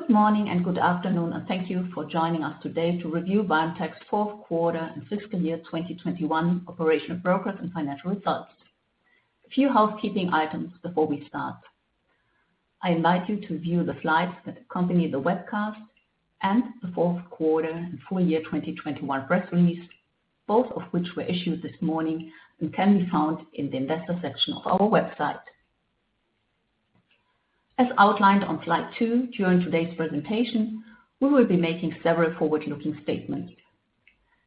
Good morning and good afternoon, and thank you for joining us today to review BioNTech's fourth quarter and fiscal year 2021 operational progress and financial results. A few housekeeping items before we start. I invite you to view the slides that accompany the webcast and the fourth quarter and full year 2021 press release, both of which were issued this morning and can be found in the investor section of our website. As outlined on slide 2, during today's presentation, we will be making several forward-looking statements.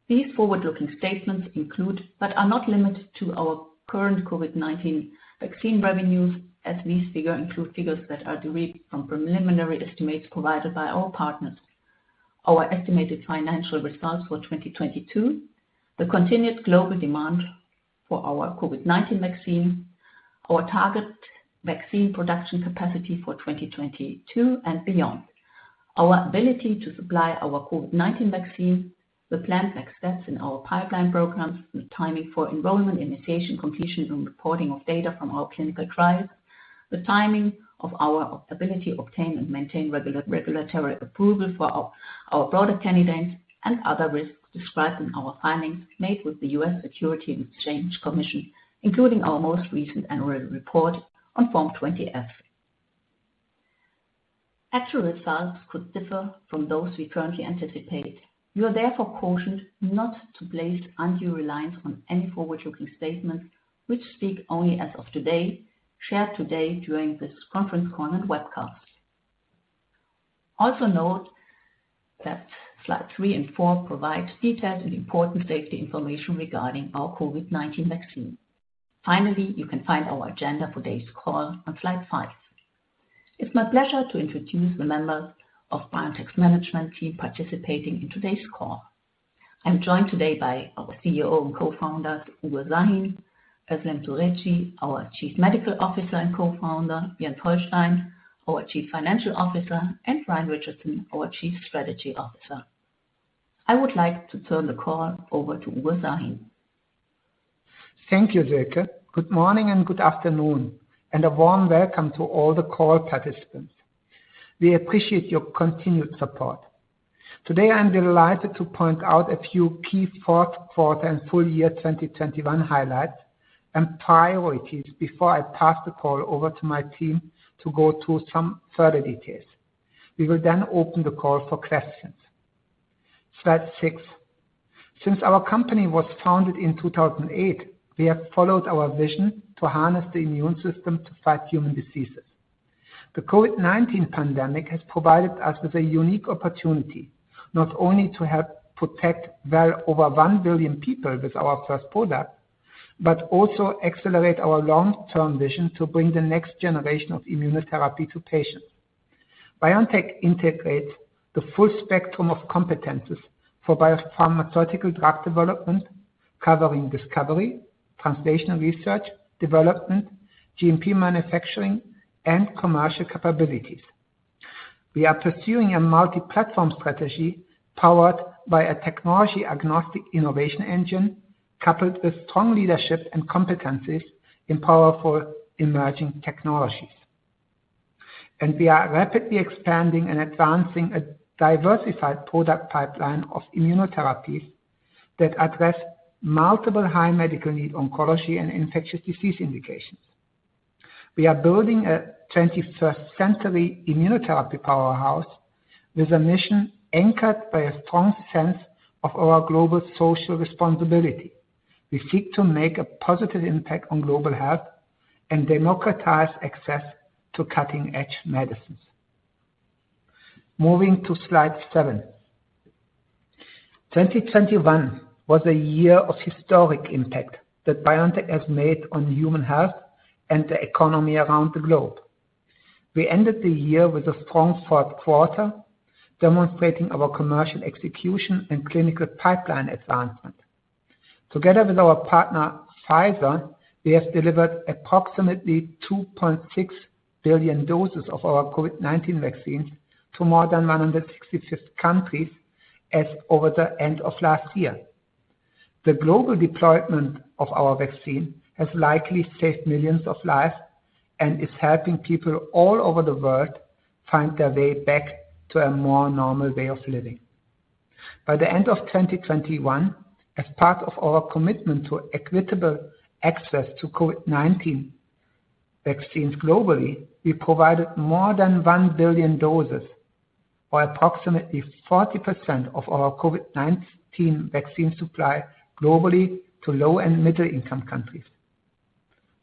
These forward-looking statements include, but are not limited to, our current COVID-19 vaccine revenues, as these figures include figures that are derived from preliminary estimates provided by our partners. Our estimated financial results for 2022, the continued global demand for our COVID-19 vaccine, our target vaccine production capacity for 2022 and beyond. Our ability to supply our COVID-19 vaccine, the planned next steps in our pipeline programs, the timing for enrollment, initiation, completion, and reporting of data from our clinical trials, the timing of our ability to obtain and maintain regulatory approval for our product candidates and other risks described in our filings made with the U.S. Securities and Exchange Commission, including our most recent annual report on Form 20-F. Actual results could differ from those we currently anticipate. You are therefore cautioned not to place undue reliance on any forward-looking statements which speak only as of today, shared today during this conference call and webcast. Also note that slide 3 and 4 provides detailed and important safety information regarding our COVID-19 vaccine. Finally, you can find our agenda for today's call on slide 5. It's my pleasure to introduce the members of BioNTech's management team participating in today's call. I'm joined today by our CEO and Co-founder, Ugur Sahin, Özlem Türeci, our Chief Medical Officer and Co-founder, Jens Holstein, our Chief Financial Officer, and Ryan Richardson, our Chief Strategy Officer. I would like to turn the call over to Ugur Sahin. Thank you, Sylke. Good morning and good afternoon, and a warm welcome to all the call participants. We appreciate your continued support. Today, I'm delighted to point out a few key fourth quarter and full year 2021 highlights and priorities before I pass the call over to my team to go through some further details. We will then open the call for questions. Slide 6. Since our company was founded in 2008, we have followed our vision to harness the immune system to fight human diseases. The COVID-19 pandemic has provided us with a unique opportunity, not only to help protect well over 1 billion people with our first product, but also accelerate our long-term vision to bring the next generation of immunotherapy to patients. BioNTech integrates the full spectrum of competencies for biopharmaceutical drug development, covering discovery, translational research, development, GMP manufacturing, and commercial capabilities. We are pursuing a multi-platform strategy powered by a technology agnostic innovation engine, coupled with strong leadership and competencies in powerful emerging technologies. We are rapidly expanding and advancing a diversified product pipeline of immunotherapies that address multiple high medical need oncology and infectious disease indications. We are building a 21st century immunotherapy powerhouse with a mission anchored by a strong sense of our global social responsibility. We seek to make a positive impact on global health and democratize access to cutting-edge medicines. Moving to slide 7. 2021 was a year of historic impact that BioNTech has made on human health and the economy around the globe. We ended the year with a strong fourth quarter, demonstrating our commercial execution and clinical pipeline advancement. Together with our partner, Pfizer, we have delivered approximately 2.6 billion doses of our COVID-19 vaccine to more than 165 countries as of the end of last year. The global deployment of our vaccine has likely saved millions of lives and is helping people all over the world find their way back to a more normal way of living. By the end of 2021, as part of our commitment to equitable access to COVID-19 vaccines globally, we provided more than 1 billion doses or approximately 40% of our COVID-19 vaccine supply globally to low- and middle-income countries.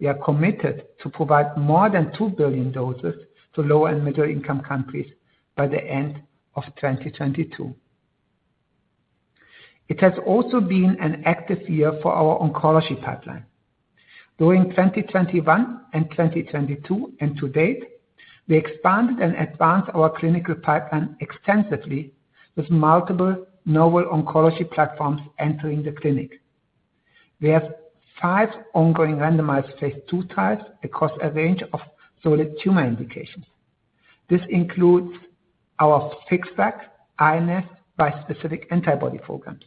We are committed to provide more than 2 billion doses to low- and middle-income countries by the end of 2022. It has also been an active year for our oncology pipeline. During 2021 and 2022 and to date, we expanded and advanced our clinical pipeline extensively with multiple novel oncology platforms entering the clinic. We have five ongoing randomized phase II trials across a range of solid tumor indications. This includes our FixVac and bispecific antibody programs.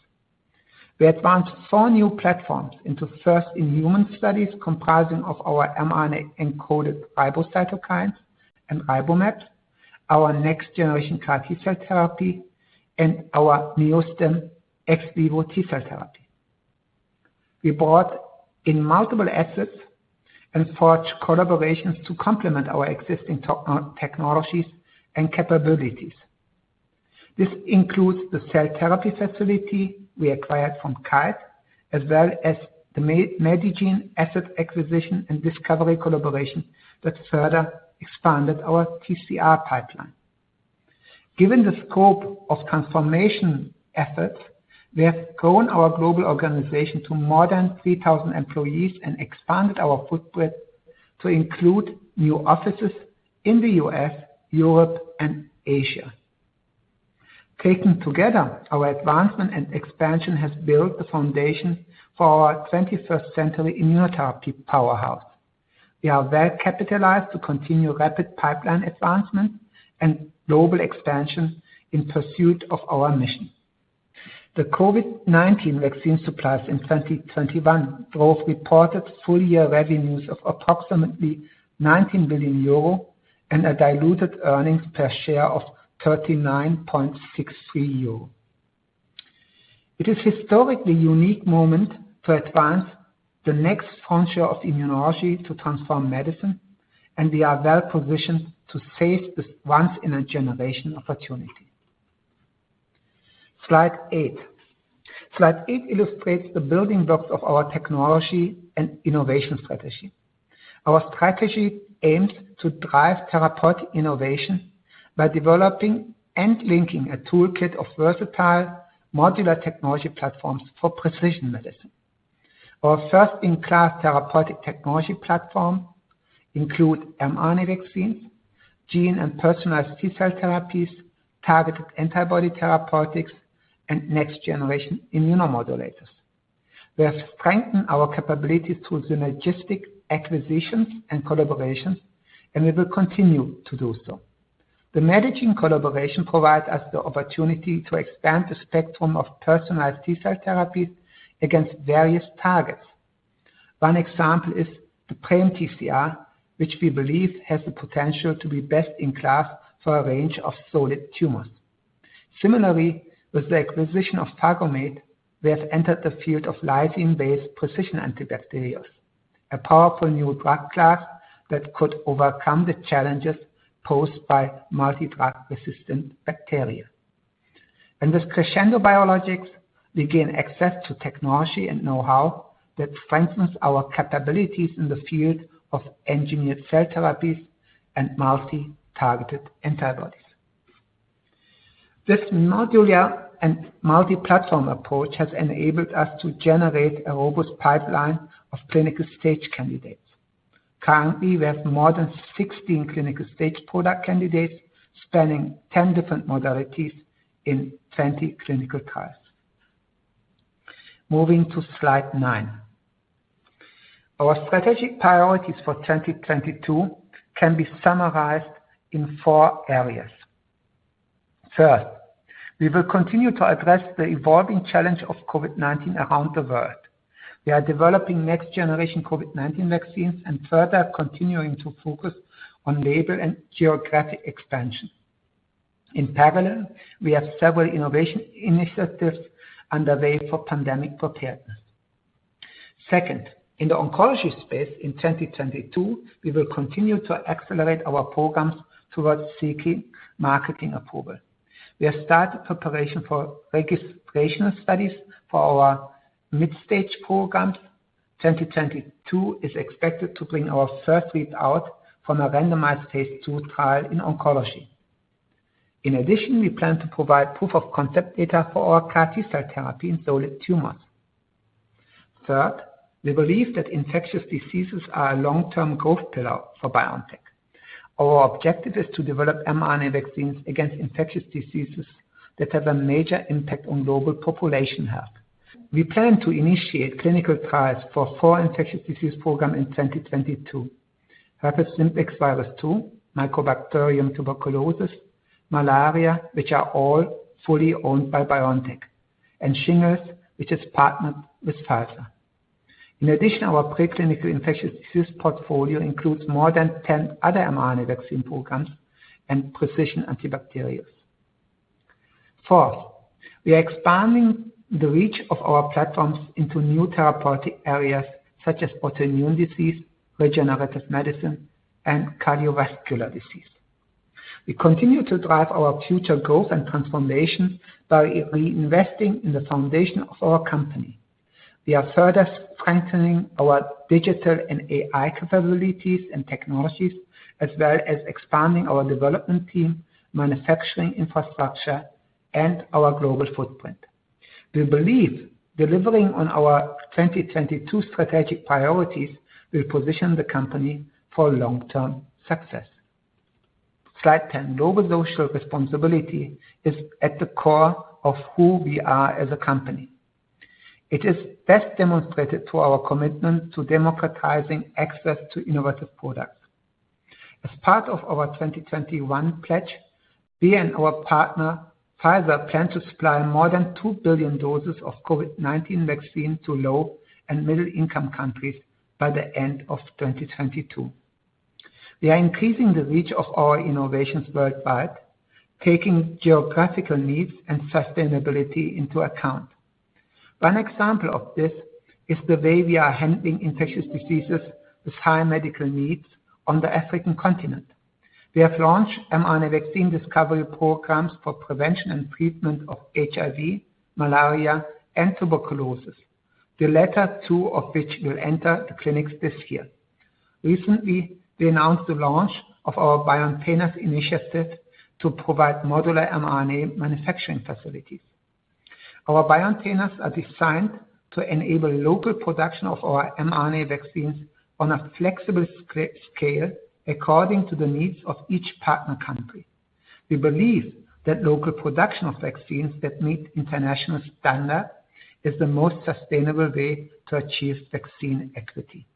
We advanced four new platforms into first-in-human studies comprising our mRNA-encoded RiboCytokines and RiboMab, our next-generation CAR-T cell therapy and our NEO-STIM ex vivo T-cell therapy. We brought in multiple assets and forged collaborations to complement our existing technologies and capabilities. This includes the cell therapy facility we acquired from Kite, as well as the Medigene asset acquisition and discovery collaboration that further expanded our TCR pipeline. Given the scope of transformation efforts, we have grown our global organization to more than 3,000 employees and expanded our footprint to include new offices in the U.S., Europe, and Asia. Taken together, our advancement and expansion has built the foundation for our 21st century immunotherapy powerhouse. We are well-capitalized to continue rapid pipeline advancement and global expansion in pursuit of our mission. The COVID-19 vaccine supplies in 2021 drove reported full-year revenues of approximately 19 billion euro and a diluted earnings per share of 39.63 euro. It is historically unique moment to advance the next frontier of immunology to transform medicine, and we are well-positioned to seize this once in a generation opportunity. Slide 8. Slide 8 illustrates the building blocks of our technology and innovation strategy. Our strategy aims to drive therapeutic innovation by developing and linking a toolkit of versatile modular technology platforms for precision medicine. Our first-in-class therapeutic technology platform include mRNA vaccines, gene and personalized T-cell therapies, targeted antibody therapeutics, and next-generation immunomodulators. We have strengthened our capabilities through synergistic acquisitions and collaborations, and we will continue to do so. The Medigene collaboration provides us the opportunity to expand the spectrum of personalized T-cell therapies against various targets. One example is the PRAME TCR, which we believe has the potential to be best in class for a range of solid tumors. Similarly, with the acquisition of PhagoMed, we have entered the field of lysin-based precision antibacterials, a powerful new drug class that could overcome the challenges posed by multidrug-resistant bacteria. With Crescendo Biologics, we gain access to technology and know-how that strengthens our capabilities in the field of engineered cell therapies and multi-targeted antibodies. This modular and multi-platform approach has enabled us to generate a robust pipeline of clinical-stage candidates. Currently, we have more than 16 clinical-stage product candidates spanning 10 different modalities in 20 clinical trials. Moving to slide 9. Our strategic priorities for 2022 can be summarized in four areas. First, we will continue to address the evolving challenge of COVID-19 around the world. We are developing next-generation COVID-19 vaccines and further continuing to focus on label and geographic expansion. In parallel, we have several innovation initiatives underway for pandemic preparedness. Second, in the oncology space in 2022, we will continue to accelerate our programs towards seeking marketing approval. We have started preparation for registrational studies for our mid-stage programs. 2022 is expected to bring our first read out from a randomized phase II trial in oncology. In addition, we plan to provide proof of concept data for our CAR-T cell therapy in solid tumors. Third, we believe that infectious diseases are a long-term growth pillar for BioNTech. Our objective is to develop mRNA vaccines against infectious diseases that have a major impact on global population health. We plan to initiate clinical trials for four infectious disease program in 2022. Herpes simplex virus 2, Mycobacterium tuberculosis, malaria, which are all fully owned by BioNTech, and shingles, which is partnered with Pfizer. In addition, our preclinical infectious disease portfolio includes more than 10 other mRNA vaccine programs and precision antibacterials. Fourth, we are expanding the reach of our platforms into new therapeutic areas such as autoimmune disease, regenerative medicine, and cardiovascular disease. We continue to drive our future growth and transformation by reinvesting in the foundation of our company. We are further strengthening our digital and AI capabilities and technologies, as well as expanding our development team, manufacturing infrastructure, and our global footprint. We believe delivering on our 2022 strategic priorities will position the company for long-term success. Slide 10. Global social responsibility is at the core of who we are as a company. It is best demonstrated through our commitment to democratizing access to innovative products. As part of our 2021 pledge, we and our partner, Pfizer, plan to supply more than 2 billion doses of COVID-19 vaccine to low- and middle-income countries by the end of 2022. We are increasing the reach of our innovations worldwide, taking geographical needs and sustainability into account. One example of this is the way we are handling infectious diseases with high medical needs on the African continent. We have launched mRNA vaccine discovery programs for prevention and treatment of HIV, malaria, and tuberculosis, the latter two of which will enter the clinics this year. Recently, we announced the launch of our BioNTainer initiative to provide modular mRNA manufacturing facilities. Our BioNTainers are designed to enable local production of our mRNA vaccines on a flexible small-scale according to the needs of each partner country. We believe that local production of vaccines that meet international standard is the most sustainable way to achieve vaccine equity.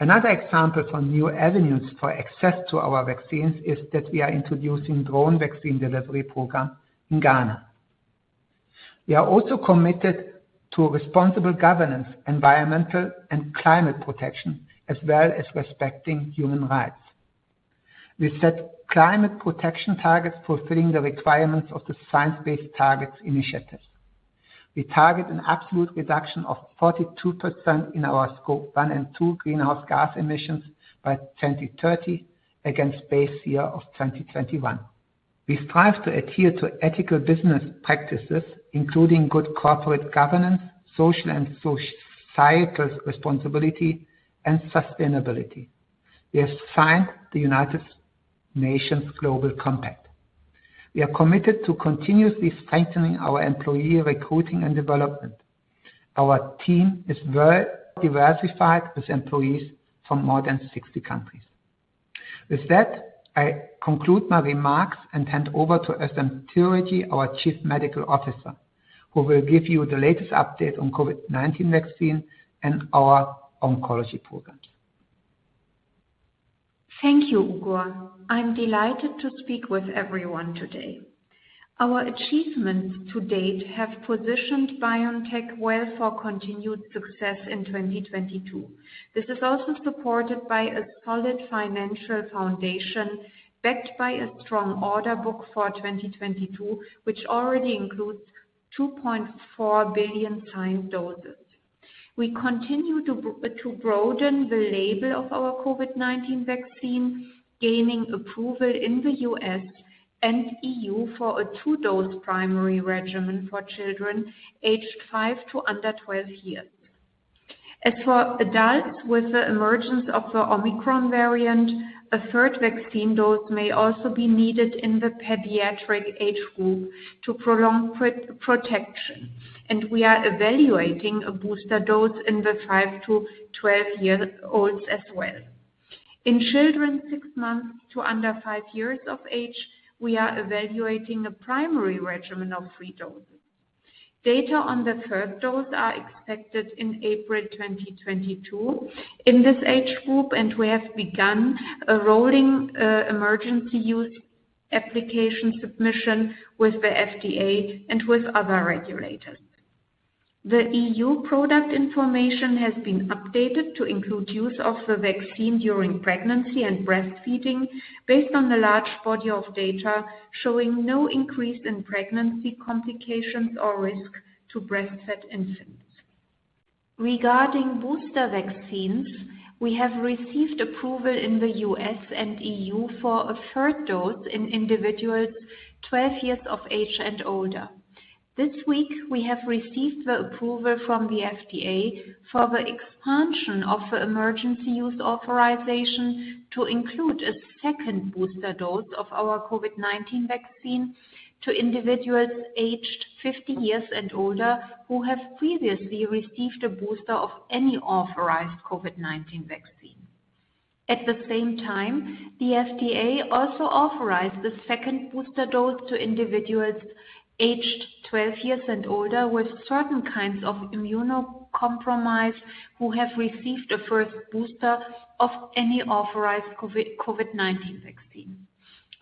Another example for new avenues for access to our vaccines is that we are introducing drone vaccine delivery program in Ghana. We are also committed to responsible governance, environmental and climate protection, as well as respecting human rights. We set climate protection targets fulfilling the requirements of the Science Based Targets initiative. We target an absolute reduction of 42% in our scope one and two greenhouse gas emissions by 2030 against base year of 2021. We strive to adhere to ethical business practices, including good corporate governance, social and societal responsibility, and sustainability. We have signed the United Nations Global Compact. We are committed to continuously strengthening our employee recruiting and development. Our team is well diversified with employees from more than 60 countries. With that, I conclude my remarks and hand over to Özlem Türeci, our Chief Medical Officer, who will give you the latest update on COVID-19 vaccine and our oncology programs. Thank you, Ugur. I'm delighted to speak with everyone today. Our achievements to date have positioned BioNTech well for continued success in 2022. This is also supported by a solid financial foundation backed by a strong order book for 2022, which already includes 2.4 billion signed doses. We continue to broaden the label of our COVID-19 vaccine, gaining approval in the U.S. and EU for a two-dose primary regimen for children aged five to under 12 years. As for adults, with the emergence of the Omicron variant, a third vaccine dose may also be needed in the pediatric age group to prolong protection, and we are evaluating a booster dose in the five year-12 year olds as well. In children six months to under five years of age, we are evaluating a primary regimen of three doses. Data on the third dose are expected in April 2022 in this age group, and we have begun a rolling emergency use application submission with the FDA and with other regulators. The EU product information has been updated to include use of the vaccine during pregnancy and breastfeeding based on the large body of data showing no increase in pregnancy complications or risk to breastfed infants. Regarding booster vaccines, we have received approval in the U.S. and EU for a third dose in individuals 12 years of age and older. This week, we have received the approval from the FDA for the expansion of the emergency use authorization to include a second booster dose of our COVID-19 vaccine to individuals aged 50 years and older who have previously received a booster of any authorized COVID-19 vaccine. At the same time, the FDA also authorized the second booster dose to individuals aged 12 years and older with certain kinds of immunocompromise who have received a first booster of any authorized COVID-19 vaccine.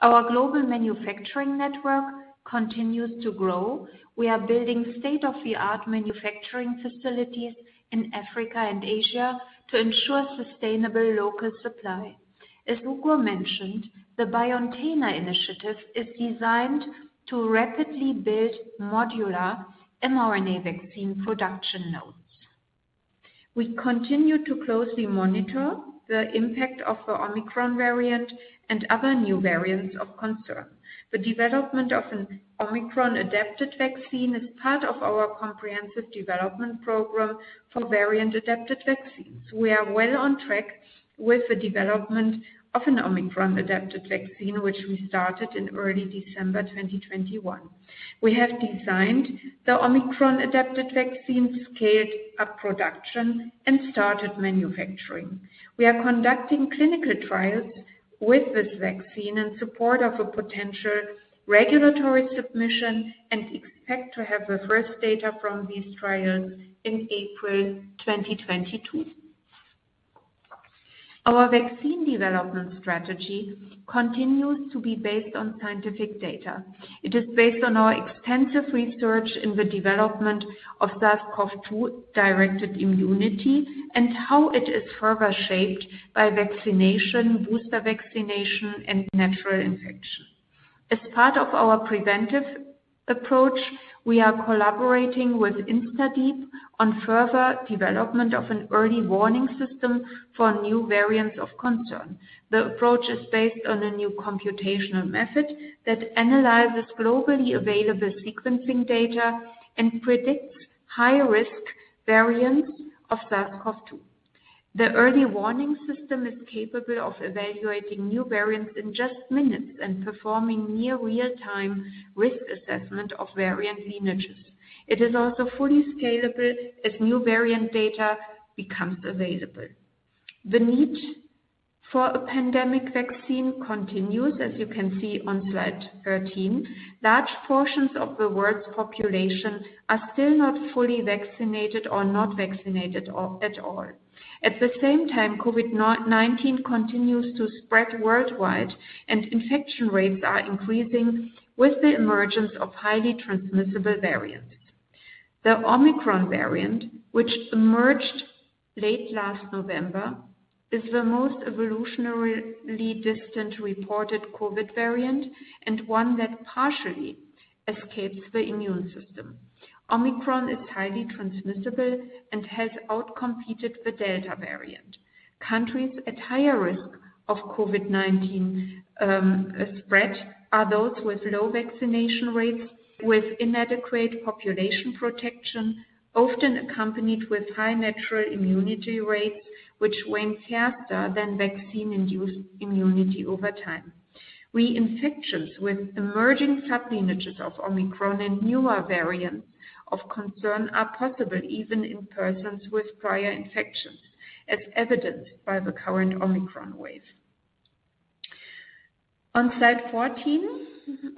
Our global manufacturing network continues to grow. We are building state-of-the-art manufacturing facilities in Africa and Asia to ensure sustainable local supply. As Ugur mentioned, the BioNTech initiative is designed to rapidly build modular mRNA vaccine production nodes. We continue to closely monitor the impact of the Omicron variant and other new variants of concern. The development of an Omicron-adapted vaccine is part of our comprehensive development program for variant-adapted vaccines. We are well on track with the development of an Omicron-adapted vaccine, which we started in early December 2021. We have designed the Omicron-adapted vaccine, scaled up production, and started manufacturing. We are conducting clinical trials with this vaccine in support of a potential regulatory submission and expect to have the first data from these trials in April 2022. Our vaccine development strategy continues to be based on scientific data. It is based on our extensive research in the development of SARS-CoV-2 directed immunity and how it is further shaped by vaccination, booster vaccination, and natural infection. As part of our preventive approach, we are collaborating with InstaDeep on further development of an early warning system for new variants of concern. The approach is based on a new computational method that analyzes globally available sequencing data and predicts high risk variants of SARS-CoV-2. The early warning system is capable of evaluating new variants in just minutes and performing near real time risk assessment of variant lineages. It is also fully scalable as new variant data becomes available. The need for a pandemic vaccine continues as you can see on slide 13. Large portions of the world's population are still not fully vaccinated or not vaccinated at all. At the same time, COVID-19 continues to spread worldwide and infection rates are increasing with the emergence of highly transmissible variants. The Omicron variant, which emerged late last November, is the most evolutionarily distant reported COVID variant, and one that partially escapes the immune system. Omicron is highly transmissible and has outcompeted the Delta variant. Countries at higher risk of COVID-19 spread are those with low vaccination rates, with inadequate population protection, often accompanied with high natural immunity rates, which wane faster than vaccine-induced immunity over time. Reinfections with emerging sub lineages of Omicron and newer variants of concern are possible even in persons with prior infections, as evidenced by the current Omicron wave. On slide 14,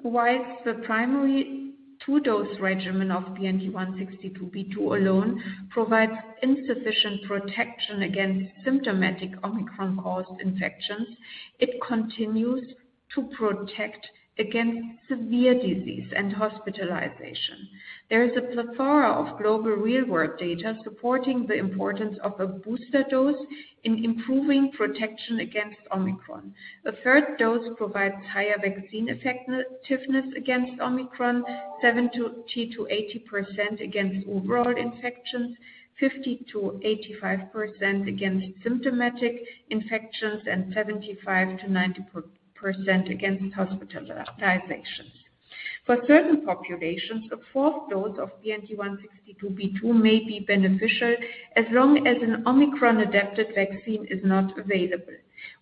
while the primary two-dose regimen of BNT162b2 alone provides insufficient protection against symptomatic Omicron-caused infections, it continues to protect against severe disease and hospitalization. There is a plethora of global real-world data supporting the importance of a booster dose in improving protection against Omicron. A third dose provides higher vaccine effectiveness against Omicron, 70%-80% against overall infections, 50%-85% against symptomatic infections, and 75%-90% against hospitalizations. For certain populations, a fourth dose of BNT162b2 may be beneficial as long as an Omicron-adapted vaccine is not available.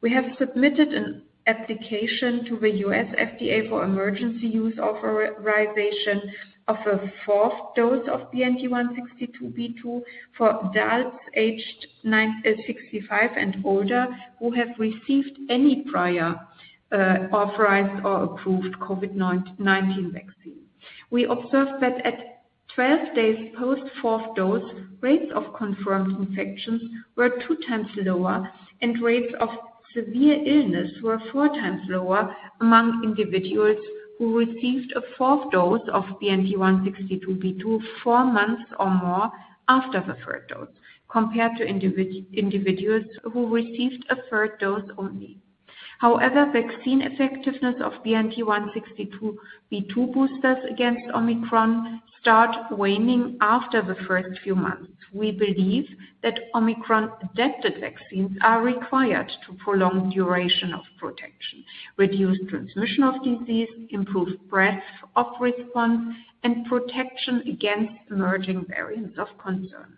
We have submitted an application to the U.S. FDA for emergency use authorization of a fourth dose of BNT162b2 for adults aged 65 and older who have received any prior, authorized or approved COVID-19 vaccine. We observed that at 12 days post fourth dose, rates of confirmed infections were 2x lower, and rates of severe illness were 4x lower among individuals who received a fourth dose of BNT162b2 4 months or more after the third dose, compared to individuals who received a third dose only. However, vaccine effectiveness of BNT162b2 boosters against Omicron start waning after the first few months. We believe that Omicron adapted vaccines are required to prolong duration of protection, reduce transmission of disease, improve breadth of response, and protection against emerging variants of concern.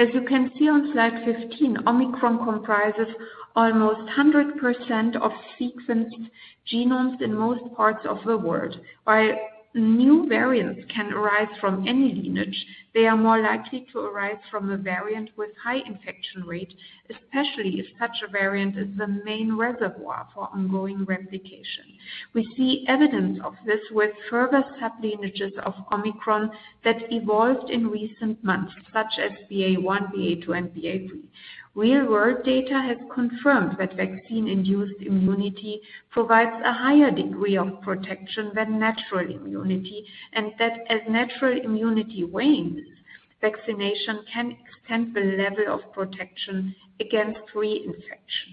As you can see on slide 15, Omicron comprises almost 100% of sequenced genomes in most parts of the world. While new variants can arise from any lineage, they are more likely to arise from a variant with high infection rate, especially if such a variant is the main reservoir for ongoing replication. We see evidence of this with further sublineages of Omicron that evolved in recent months, such as BA.1, BA.2, and BA.3. Real-world data has confirmed that vaccine-induced immunity provides a higher degree of protection than natural immunity, and that as natural immunity wanes, vaccination can extend the level of protection against reinfection.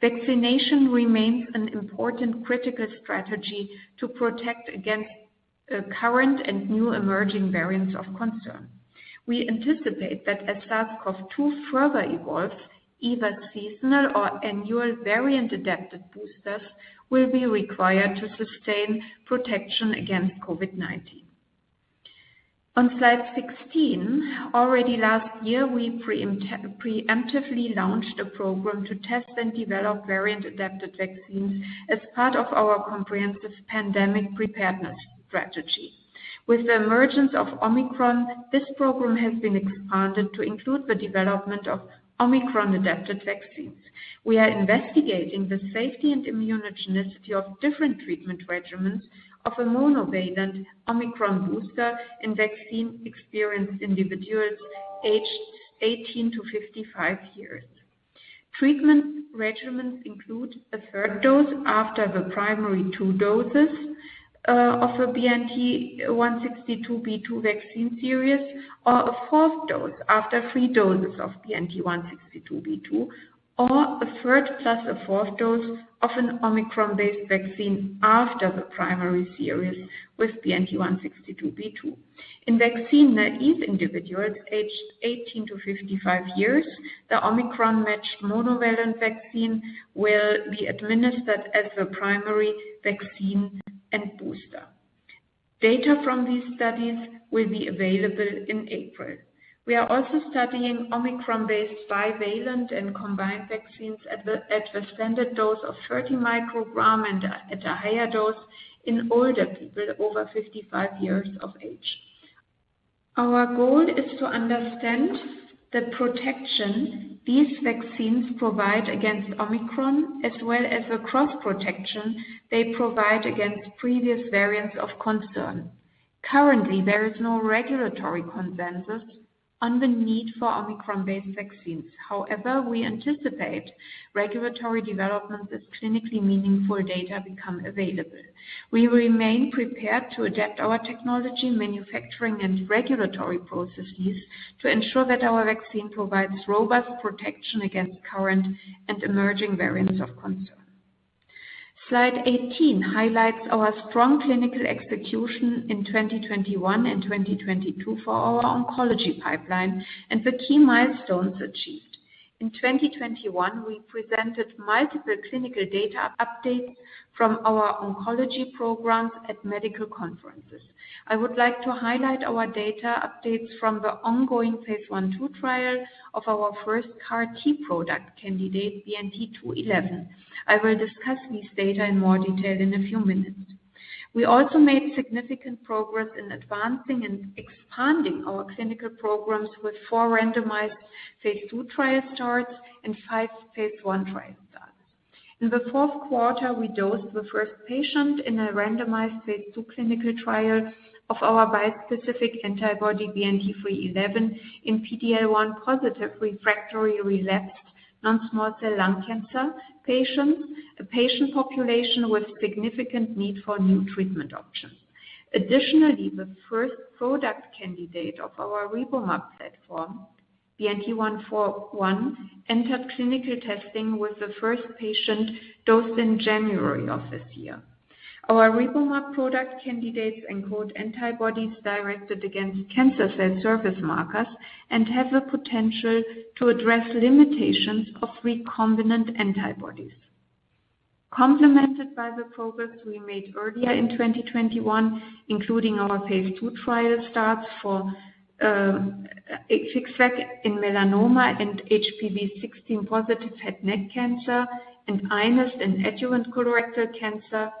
Vaccination remains an important critical strategy to protect against current and new emerging variants of concern. We anticipate that as SARS-CoV-2 further evolves, either seasonal or annual variant-adapted boosters will be required to sustain protection against COVID-19. On slide 16, already last year, we preemptively launched a program to test and develop variant-adapted vaccines as part of our comprehensive pandemic preparedness strategy. With the emergence of Omicron, this program has been expanded to include the development of Omicron-adapted vaccines. We are investigating the safety and immunogenicity of different treatment regimens of a monovalent Omicron booster in vaccine experienced individuals aged 18 years-55 years. Treatment regimens include a third dose after the primary two doses of a BNT162b2 vaccine series, or a fourth dose after three doses of BNT162b2, or a third plus a fourth dose of an Omicron-based vaccine after the primary series with BNT162b2. In vaccine naive individuals aged 1 55 years, the Omicron-matched monovalent vaccine will be administered as the primary vaccine and booster. Data from these studies will be available in April. We are also studying Omicron-based bivalent and combined vaccines at the standard dose of 30 micrograms and at a higher dose in older people over 55 years of age. Our goal is to understand the protection these vaccines provide against Omicron, as well as the cross-protection they provide against previous variants of concern. Currently, there is no regulatory consensus on the need for Omicron-based vaccines. However, we anticipate regulatory developments as clinically meaningful data become available. We remain prepared to adapt our technology, manufacturing, and regulatory processes to ensure that our vaccine provides robust protection against current and emerging variants of concern. Slide 18 highlights our strong clinical execution in 2021 and 2022 for our oncology pipeline and the key milestones achieved. In 2021, we presented multiple clinical data updates from our oncology programs at medical conferences. I would like to highlight our data updates from the ongoing phase I/II trial of our first CAR T product candidate, BNT211. I will discuss these data in more detail in a few minutes. We also made significant progress in advancing and expanding our clinical programs with four randomized phase II trial starts and five phase I trial starts. In the fourth quarter, we dosed the first patient in a randomized phase II clinical trial of our bispecific antibody BNT311 in PD-L1 positive refractory relapsed non-small cell lung cancer patients, a patient population with significant need for new treatment options. Additionally, the first product candidate of our RiboMab platform, BNT141, entered clinical testing with the first patient dosed in January of this year. Our RiboMab product candidates include antibodies directed against cancer cell surface markers and have the potential to address limitations of recombinant antibodies. Complemented by the progress we made earlier in 2021, including our phase II trial starts for FixVac in melanoma and HPV-16 positive head and neck cancer, and iNeST in adjuvant colorectal cancer,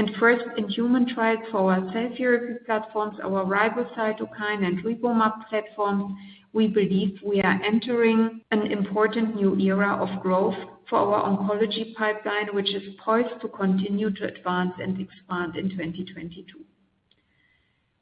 and first-in-human trials for our cell therapy platforms, our RiboCytokine and RiboMab platforms. We believe we are entering an important new era of growth for our oncology pipeline, which is poised to continue to advance and expand in 2022.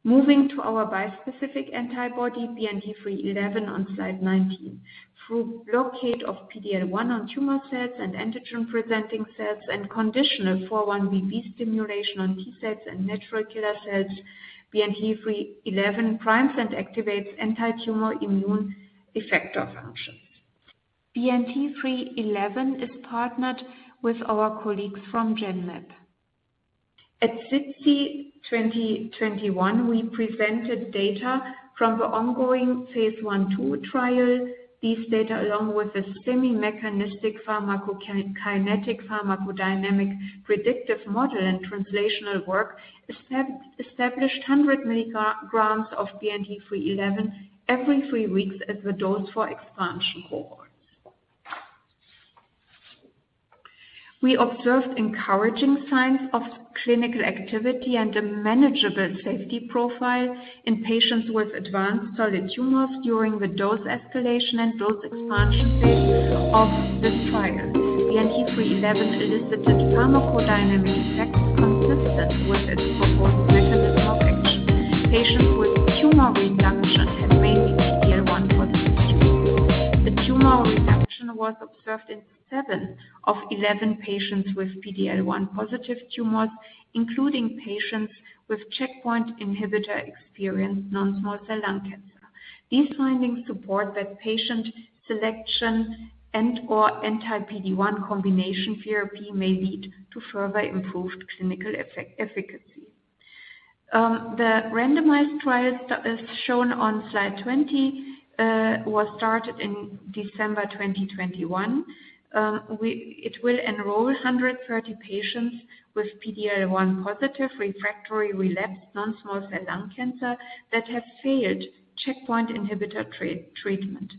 Moving to our bispecific antibody, BNT311, on slide 19. Through blockade of PD-L1 on tumor cells and antigen-presenting cells and conditional 4-1BB stimulation on T cells and natural killer cells, BNT311 primes and activates antitumor immune effector functions. BNT311 is partnered with our colleagues from Genmab. At SITC 2021, we presented data from the ongoing phase I/II trial. These data, along with a semi-mechanistic pharmacokinetic/pharmacodynamic predictive model and translational work, established 100 mg of BNT311 every three weeks as the dose for expansion cohorts. We observed encouraging signs of clinical activity and a manageable safety profile in patients with advanced solid tumors during the dose escalation and dose expansion phase of this trial. BNT311 elicited pharmacodynamic effects consistent with its proposed mechanism of action. Patients with tumor reduction had rising PD-L1 positivity. The tumor reduction was observed in seven of 11 patients with PD-L1 positive tumors, including patients with checkpoint inhibitor-experienced non-small cell lung cancer. These findings support that patient selection and/or anti-PD-1 combination therapy may lead to further improved clinical efficacy. The randomized trial that is shown on slide 20 was started in December 2021. It will enroll 130 patients with PD-L1 positive refractory relapsed non-small cell lung cancer that have failed checkpoint inhibitor treatment.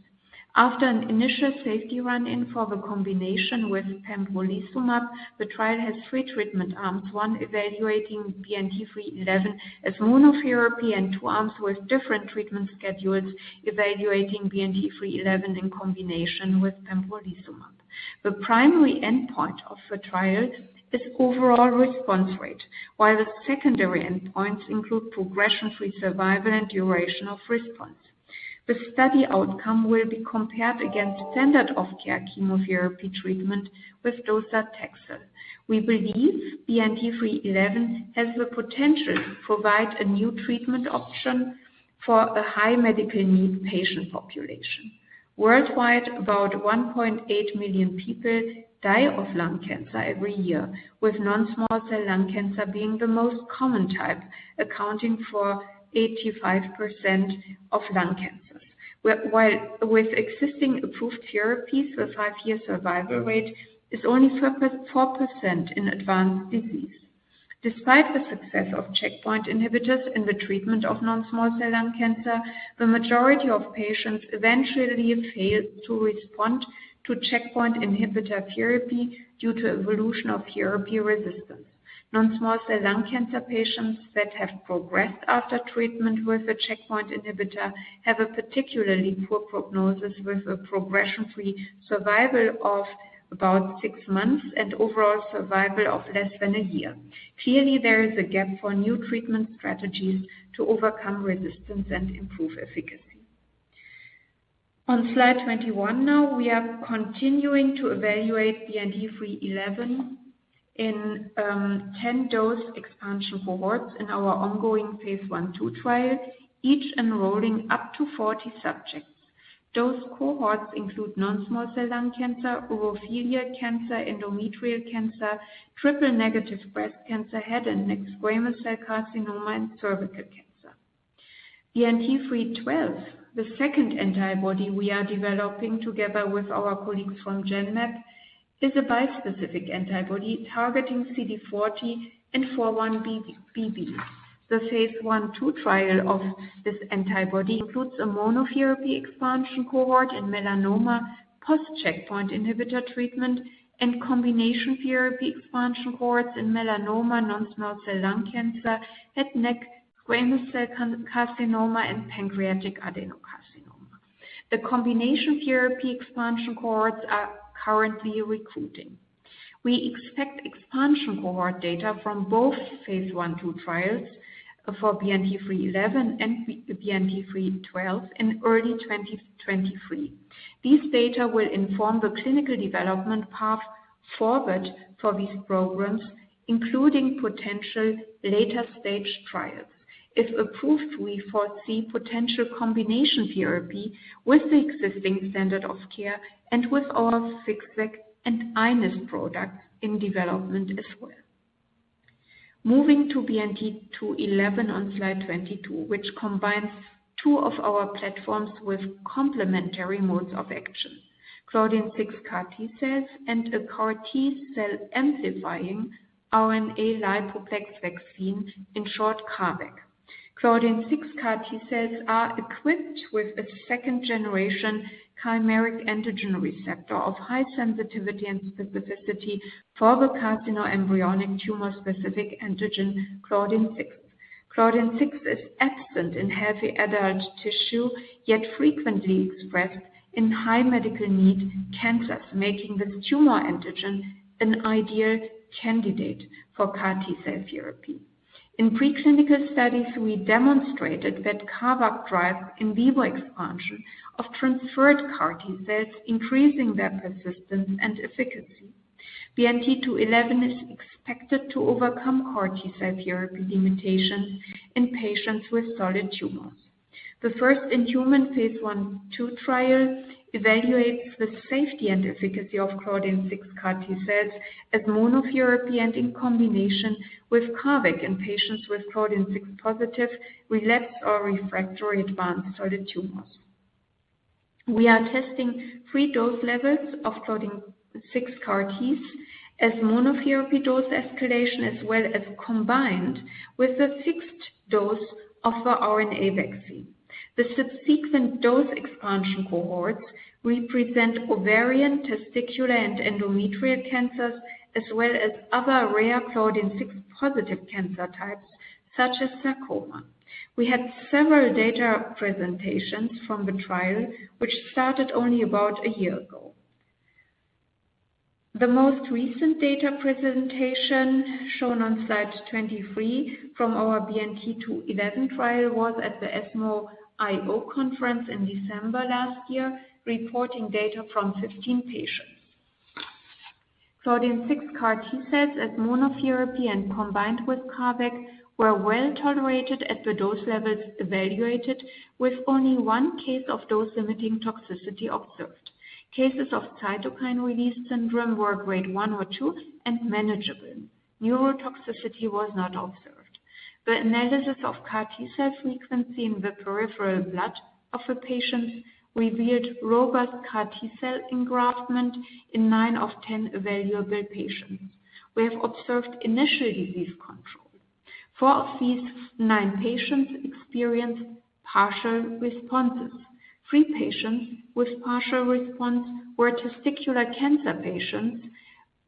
After an initial safety run-in for the combination with pembrolizumab, the trial has three treatment arms, one evaluating BNT311 as monotherapy and two arms with different treatment schedules evaluating BNT311 in combination with pembrolizumab. The primary endpoint of the trial is overall response rate, while the secondary endpoints include progression-free survival and duration of response. The study outcome will be compared against standard of care chemotherapy treatment with docetaxel. We believe BNT311 has the potential to provide a new treatment option for a high medical need patient population. Worldwide, about 1.8 million people die of lung cancer every year, with non-small cell lung cancer being the most common type, accounting for 85% of lung cancers. While with existing approved therapies, the five-year survival rate is only 4% in advanced disease. Despite the success of checkpoint inhibitors in the treatment of non-small cell lung cancer, the majority of patients eventually fail to respond to checkpoint inhibitor therapy due to evolution of therapy resistance. Non-small cell lung cancer patients that have progressed after treatment with a checkpoint inhibitor have a particularly poor prognosis, with a progression-free survival of about six months and overall survival of less than a year. Clearly, there is a gap for new treatment strategies to overcome resistance and improve efficacy. On slide 21 now, we are continuing to evaluate BNT311 in 10 dose expansion cohorts in our ongoing phase I/II trial, each enrolling up to 40 subjects. Those cohorts include non-small cell lung cancer, urothelial cancer, endometrial cancer, triple-negative breast cancer, head and neck squamous cell carcinoma, and cervical cancer. BNT312, the second antibody we are developing together with our colleagues from Genmab, is a bispecific antibody targeting CD40 and 4-1BB. The phase I/II trial of this antibody includes a monotherapy expansion cohort in melanoma post-checkpoint inhibitor treatment and combination therapy expansion cohorts in melanoma, non-small cell lung cancer, head and neck squamous cell carcinoma, and pancreatic adenocarcinoma. The combination therapy expansion cohorts are currently recruiting. We expect expansion cohort data from both phase I/II trials for BNT311 and BNT312 in early 2023. These data will inform the clinical development path forward for these programs, including potential later-stage trials. If approved, we foresee potential combination therapy with the existing standard of care and with our FixVac and iNeST products in development as well. Moving to BNT211 on slide 22, which combines two of our platforms with complementary modes of action. Claudin-6 CAR-T cells and a CAR-T cell amplifying RNA lipoplex vaccine, in short, CARVac. Claudin-6 CAR-T cells are equipped with a second-generation chimeric antigen receptor of high sensitivity and specificity for the oncofetal tumor-specific antigen Claudin-6. Claudin-6 is absent in healthy adult tissue, yet frequently expressed in high medical need cancers, making this tumor antigen an ideal candidate for CAR-T cell therapy. In preclinical studies, we demonstrated that CARVac drives in vivo expansion of transferred CAR-T cells, increasing their persistence and efficacy. BNT211 is expected to overcome CAR T cell therapy limitations in patients with solid tumors. The first-in-human phase I/II trial evaluates the safety and efficacy of Claudin-6 CAR T cells as monotherapy and in combination with CARVac in patients with Claudin-6 positive relapsed or refractory advanced solid tumors. We are testing three dose levels of Claudin-6 CAR Ts as monotherapy dose escalation, as well as combined with a fixed dose of the RNA vaccine. The subsequent dose expansion cohorts will present ovarian, testicular, and endometrial cancers, as well as other rare Claudin-6 positive cancer types, such as sarcoma. We had several data presentations from the trial, which started only about a year ago. The most recent data presentation, shown on slide 23 from our BNT211 trial, was at the ESMO IO conference in December last year, reporting data from 15 patients. Claudin-6 CAR T cells as monotherapy and combined with CARVac were well-tolerated at the dose levels evaluated, with only one case of dose-limiting toxicity observed. Cases of cytokine release syndrome were grade one or two and manageable. Neurotoxicity was not observed. The analysis of CAR T cell frequency in the peripheral blood of the patients revealed robust CAR T cell engraftment in nine of 10 evaluable patients. We have observed initial disease control. Four of these nine patients experienced partial responses. Three patients with partial response were testicular cancer patients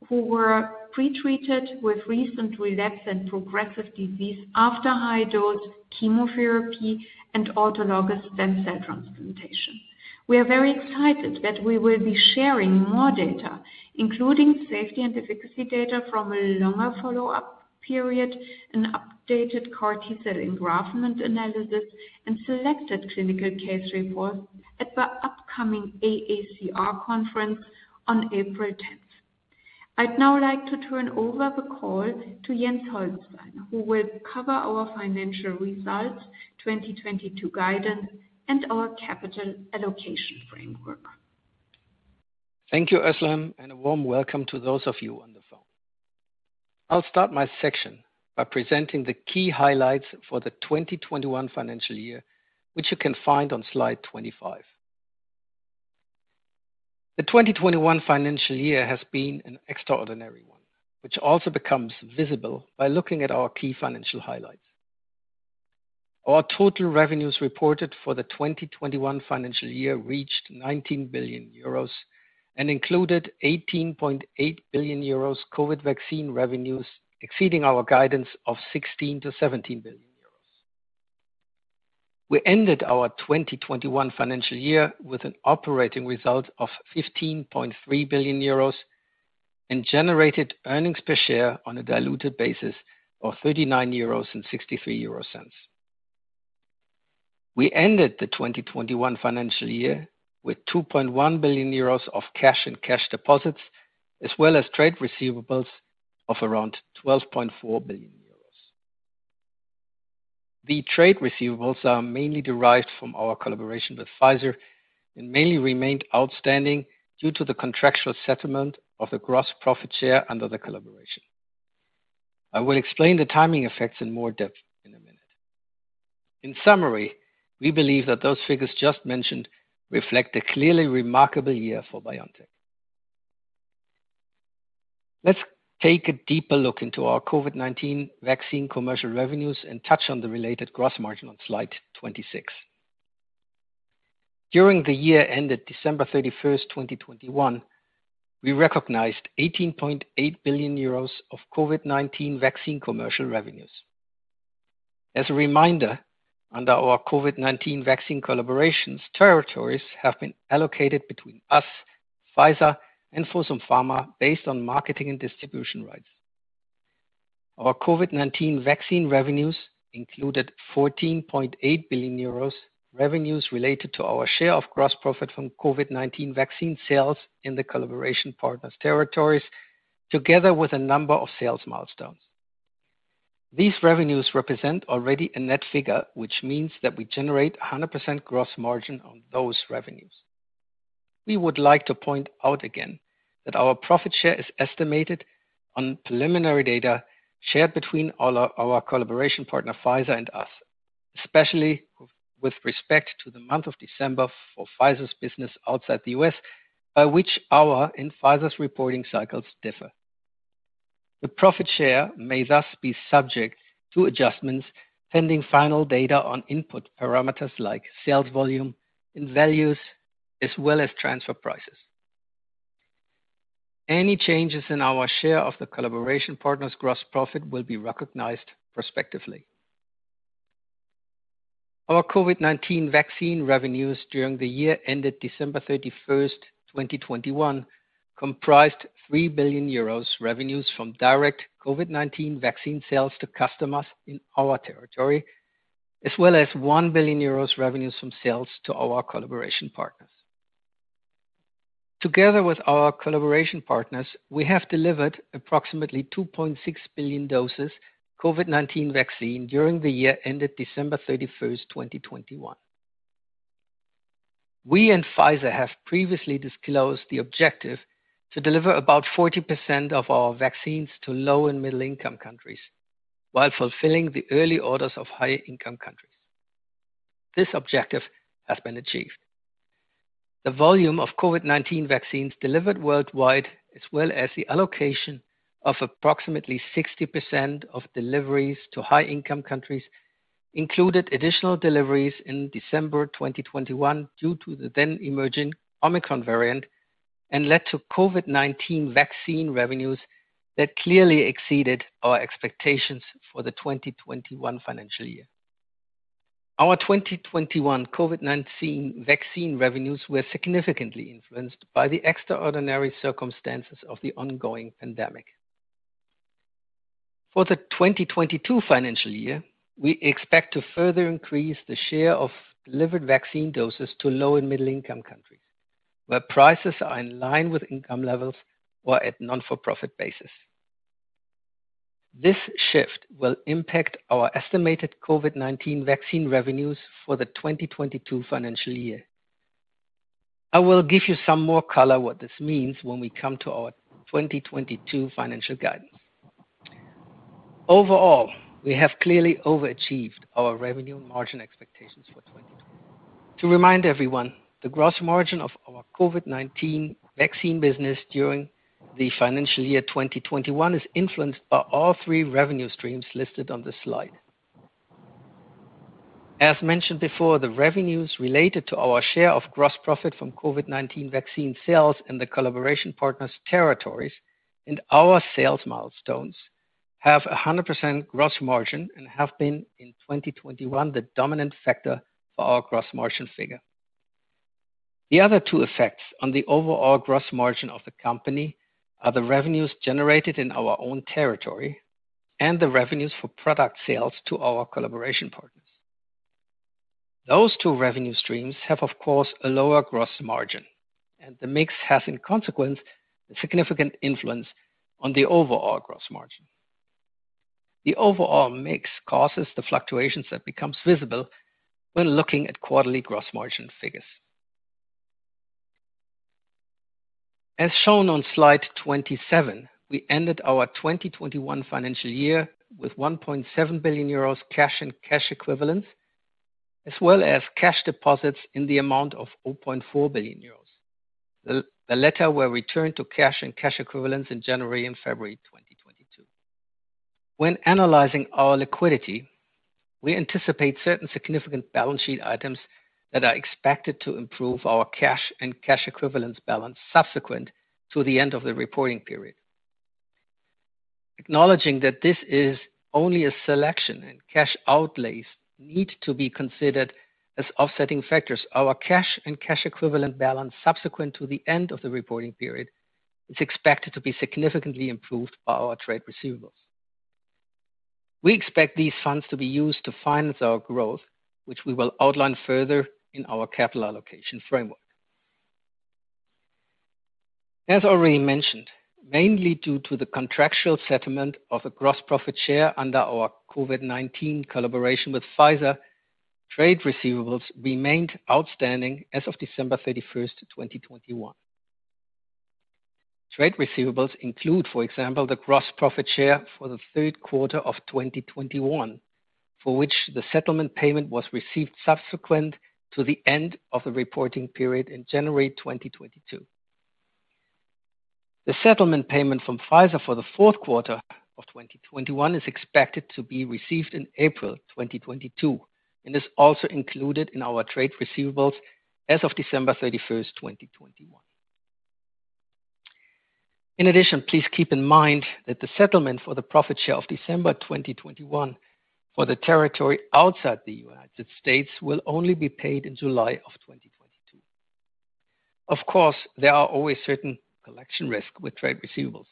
who were pre-treated with recent relapse and progressive disease after high-dose chemotherapy and autologous stem cell transplantation. We are very excited that we will be sharing more data, including safety and efficacy data from a longer follow-up period and updated CAR T-cell engraftment analysis and selected clinical case reports at the upcoming AACR conference on April 10. I'd now like to turn over the call to Jens Holstein, who will cover our financial results, 2022 guidance, and our capital allocation framework. Thank you, Özlem, and a warm welcome to those of you on the phone. I'll start my section by presenting the key highlights for the 2021 financial year, which you can find on slide 25. The 2021 financial year has been an extraordinary one, which also becomes visible by looking at our key financial highlights. Our total revenues reported for the 2021 financial year reached 19 billion euros and included 18.8 billion euros COVID vaccine revenues, exceeding our guidance of 16 billion-17 billion euros. We ended our 2021 financial year with an operating result of 15.3 billion euros and generated earnings per share on a diluted basis of 39.63 euros. We ended the 2021 financial year with 2.1 billion euros of cash and cash deposits as well as trade receivables of around 12.4 billion euros. The trade receivables are mainly derived from our collaboration with Pfizer and mainly remained outstanding due to the contractual settlement of the gross profit share under the collaboration. I will explain the timing effects in more depth in a minute. In summary, we believe that those figures just mentioned reflect a clearly remarkable year for BioNTech. Let's take a deeper look into our COVID-19 vaccine commercial revenues and touch on the related gross margin on slide 26. During the year ended December 31st, 2021, we recognized 18.8 billion euros of COVID-19 vaccine commercial revenues. As a reminder, under our COVID-19 vaccine collaborations, territories have been allocated between us, Pfizer and Fosun Pharma based on marketing and distribution rights. Our COVID-19 vaccine revenues included 14.8 billion euros, revenues related to our share of gross profit from COVID-19 vaccine sales in the collaboration partners territories, together with a number of sales milestones. These revenues represent already a net figure, which means that we generate 100% gross margin on those revenues. We would like to point out again that our profit share is estimated on preliminary data shared between all our collaboration partner, Pfizer and us, especially with respect to the month of December for Pfizer's business outside the U.S., by which our and Pfizer's reporting cycles differ. The profit share may thus be subject to adjustments pending final data on input parameters like sales volume and values, as well as transfer prices. Any changes in our share of the collaboration partners' gross profit will be recognized prospectively. Our COVID-19 vaccine revenues during the year ended December 31st, 2021, comprised 3 billion euros revenues from direct COVID-19 vaccine sales to customers in our territory, as well as 1 billion euros revenues from sales to our collaboration partners. Together with our collaboration partners, we have delivered approximately 2.6 billion doses COVID-19 vaccine during the year ended December 31st, 2021. We and Pfizer have previously disclosed the objective to deliver about 40% of our vaccines to low- and middle-income countries while fulfilling the early orders of higher-income countries. This objective has been achieved. The volume of COVID-19 vaccines delivered worldwide, as well as the allocation of approximately 60% of deliveries to high income countries, included additional deliveries in December 2021 due to the then emerging Omicron variant and led to COVID-19 vaccine revenues that clearly exceeded our expectations for the 2021 financial year. Our 2021 COVID-19 vaccine revenues were significantly influenced by the extraordinary circumstances of the ongoing pandemic. For the 2022 financial year, we expect to further increase the share of delivered vaccine doses to low and middle income countries, where prices are in line with income levels or at non-for-profit basis. This shift will impact our estimated COVID-19 vaccine revenues for the 2022 financial year. I will give you some more color what this means when we come to our 2022 financial guidance. Overall, we have clearly overachieved our revenue margin expectations for 2021. To remind everyone, the gross margin of our COVID-19 vaccine business during the financial year 2021 is influenced by all three revenue streams listed on this slide. As mentioned before, the revenues related to our share of gross profit from COVID-19 vaccine sales in the collaboration partners territories and our sales milestones have a 100% gross margin and have been, in 2021, the dominant factor for our gross margin figure. The other two effects on the overall gross margin of the company are the revenues generated in our own territory and the revenues for product sales to our collaboration partners. Those two revenue streams have, of course, a lower gross margin, and the mix has, in consequence, a significant influence on the overall gross margin. The overall mix causes the fluctuations that becomes visible when looking at quarterly gross margin figures. As shown on slide 27, we ended our 2021 financial year with 1.7 billion euros cash and cash equivalents, as well as cash deposits in the amount of 0.4 billion euros. The latter were returned to cash and cash equivalents in January and February 2022. When analyzing our liquidity, we anticipate certain significant balance sheet items that are expected to improve our cash and cash equivalents balance subsequent to the end of the reporting period. Acknowledging that this is only a selection and cash outlays need to be considered as offsetting factors, our cash and cash equivalent balance subsequent to the end of the reporting period is expected to be significantly improved by our trade receivables. We expect these funds to be used to finance our growth, which we will outline further in our capital allocation framework. As already mentioned, mainly due to the contractual settlement of a gross profit share under our COVID-19 collaboration with Pfizer, trade receivables remained outstanding as of December 31st, 2021. Trade receivables include, for example, the gross profit share for the third quarter of 2021, for which the settlement payment was received subsequent to the end of the reporting period in January 2022. The settlement payment from Pfizer for the fourth quarter of 2021 is expected to be received in April 2022 and is also included in our trade receivables as of December 31st, 2021. In addition, please keep in mind that the settlement for the profit share of December 2021 for the territory outside the United States will only be paid in July of 2022. Of course, there are always certain collection risk with trade receivables.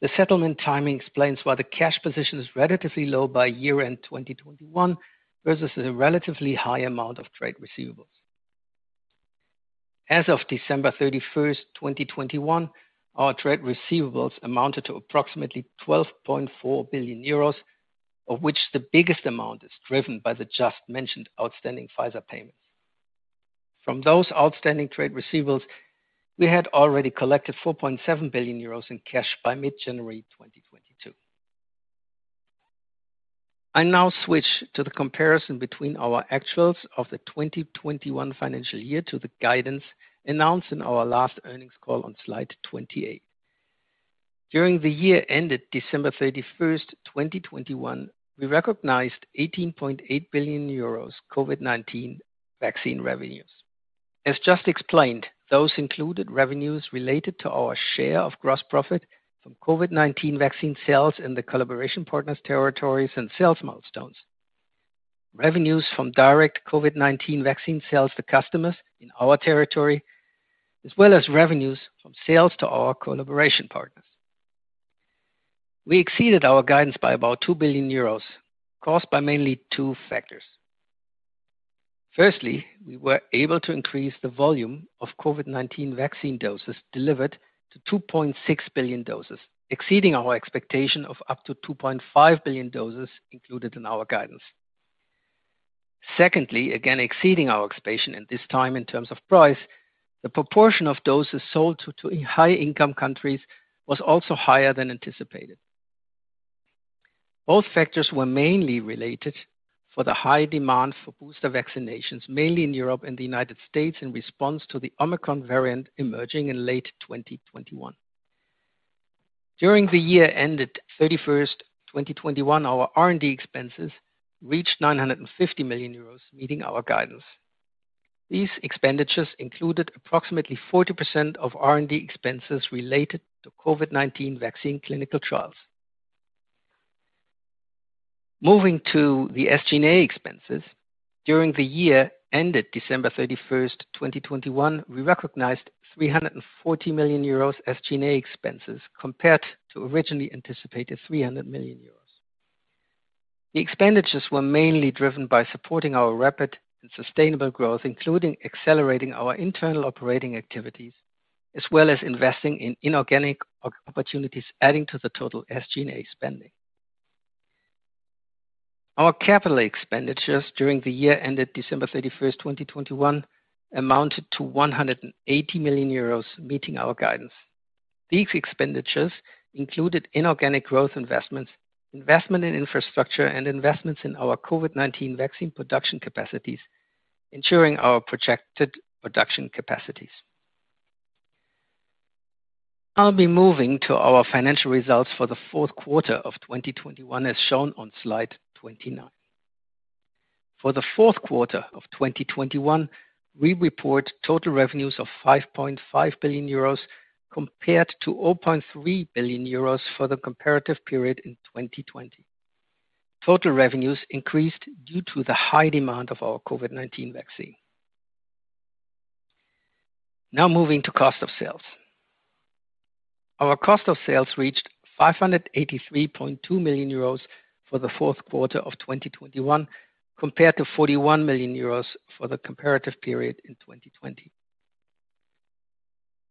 The settlement timing explains why the cash position is relatively low by year-end 2021 versus a relatively high amount of trade receivables. As of December 31st, 2021, our trade receivables amounted to approximately 12.4 billion euros, of which the biggest amount is driven by the just mentioned outstanding Pfizer payments. From those outstanding trade receivables, we had already collected 4.7 billion euros in cash by mid-January 2022. I now switch to the comparison between our actuals of the 2021 financial year to the guidance announced in our last earnings call on slide 28. During the year ended December 31st, 2021, we recognized 18.8 billion euros COVID-19 vaccine revenues. As just explained, those included revenues related to our share of gross profit from COVID-19 vaccine sales in the collaboration partners' territories and sales milestones, revenues from direct COVID-19 vaccine sales to customers in our territory, as well as revenues from sales to our collaboration partners. We exceeded our guidance by about 2 billion euros, caused by mainly two factors. Firstly, we were able to increase the volume of COVID-19 vaccine doses delivered to 2.6 billion doses, exceeding our expectation of up to 2.5 billion doses included in our guidance. Secondly, again, exceeding our expectation and this time in terms of price, the proportion of doses sold to high-income countries was also higher than anticipated. Both factors were mainly related to the high demand for booster vaccinations, mainly in Europe and the United States, in response to the Omicron variant emerging in late 2021. During the year ended December 31st, 2021, our R&D expenses reached 950 million euros, meeting our guidance. These expenditures included approximately 40% of R&D expenses related to COVID-19 vaccine clinical trials. Moving to the SG&A expenses, during the year ended December 31st, 2021, we recognized 340 million euros SG&A expenses compared to originally anticipated 300 million euros. The expenditures were mainly driven by supporting our rapid and sustainable growth, including accelerating our internal operating activities, as well as investing in inorganic opportunities adding to the total SG&A spending. Our capital expenditures during the year ended December 31st, 2021, amounted to 180 million euros, meeting our guidance. These expenditures included inorganic growth investments, investment in infrastructure, and investments in our COVID-19 vaccine production capacities, ensuring our projected production capacities. I'll be moving to our financial results for the fourth quarter of 2021, as shown on slide 29. For the fourth quarter of 2021, we report total revenues of 5.5 billion euros compared to 0.3 billion euros for the comparative period in 2020. Total revenues increased due to the high demand of our COVID-19 vaccine. Now moving to cost of sales. Our cost of sales reached 583.2 million euros for the fourth quarter of 2021 compared to 41 million euros for the comparative period in 2020.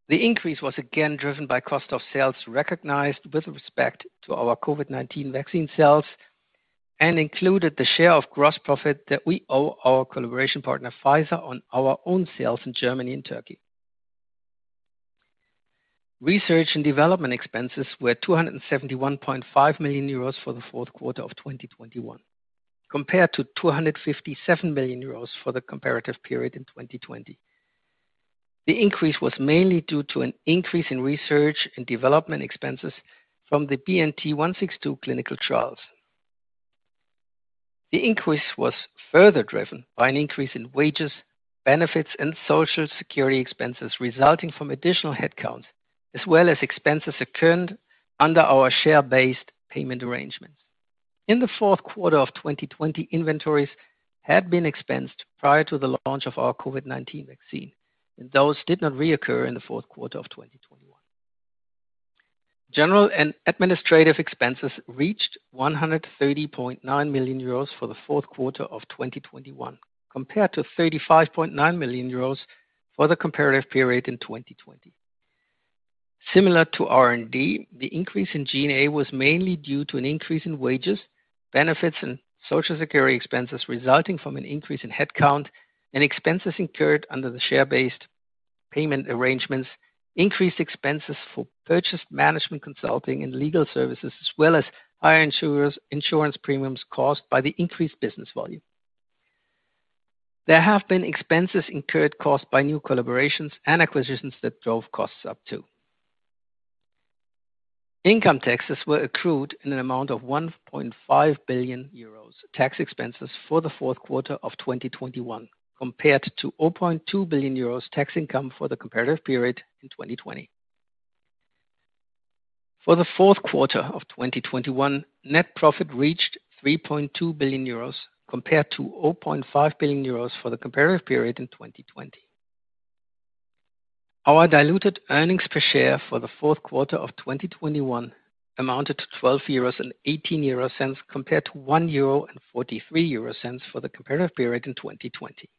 The increase was again driven by cost of sales recognized with respect to our COVID-19 vaccine sales and included the share of gross profit that we owe our collaboration partner, Pfizer, on our own sales in Germany and Turkey. Research and development expenses were 271.5 million euros for the fourth quarter of 2021 compared to 257 million euros for the comparative period in 2020. The increase was mainly due to an increase in research and development expenses from the BNT162 clinical trials. The increase was further driven by an increase in wages, benefits and Social Security expenses resulting from additional headcount, as well as expenses incurred under our share-based payment arrangements. In the fourth quarter of 2020, inventories had been expensed prior to the launch of our COVID-19 vaccine, and those did not reoccur in the fourth quarter of 2021. General and administrative expenses reached 130.9 million euros for the fourth quarter of 2021 compared to 35.9 million euros for the comparative period in 2020. Similar to R&D, the increase in G&A was mainly due to an increase in wages, benefits and Social Security expenses resulting from an increase in headcount and expenses incurred under the share-based payment arrangements, increased expenses for purchasing, management consulting and legal services, as well as higher insurance premiums caused by the increased business volume. There have been expenses incurred caused by new collaborations and acquisitions that drove costs up too. Income taxes were accrued in an amount of 1.5 billion euros in tax expenses for the fourth quarter of 2021 compared to 0.2 billion euros in tax income for the comparative period in 2020. For the fourth quarter of 2021, net profit reached 3.2 billion euros compared to 0.5 billion euros for the comparative period in 2020. Our diluted earnings per share for the fourth quarter of 2021 amounted to 12.18 euros compared to 1.43 euro for the comparative period in 2020.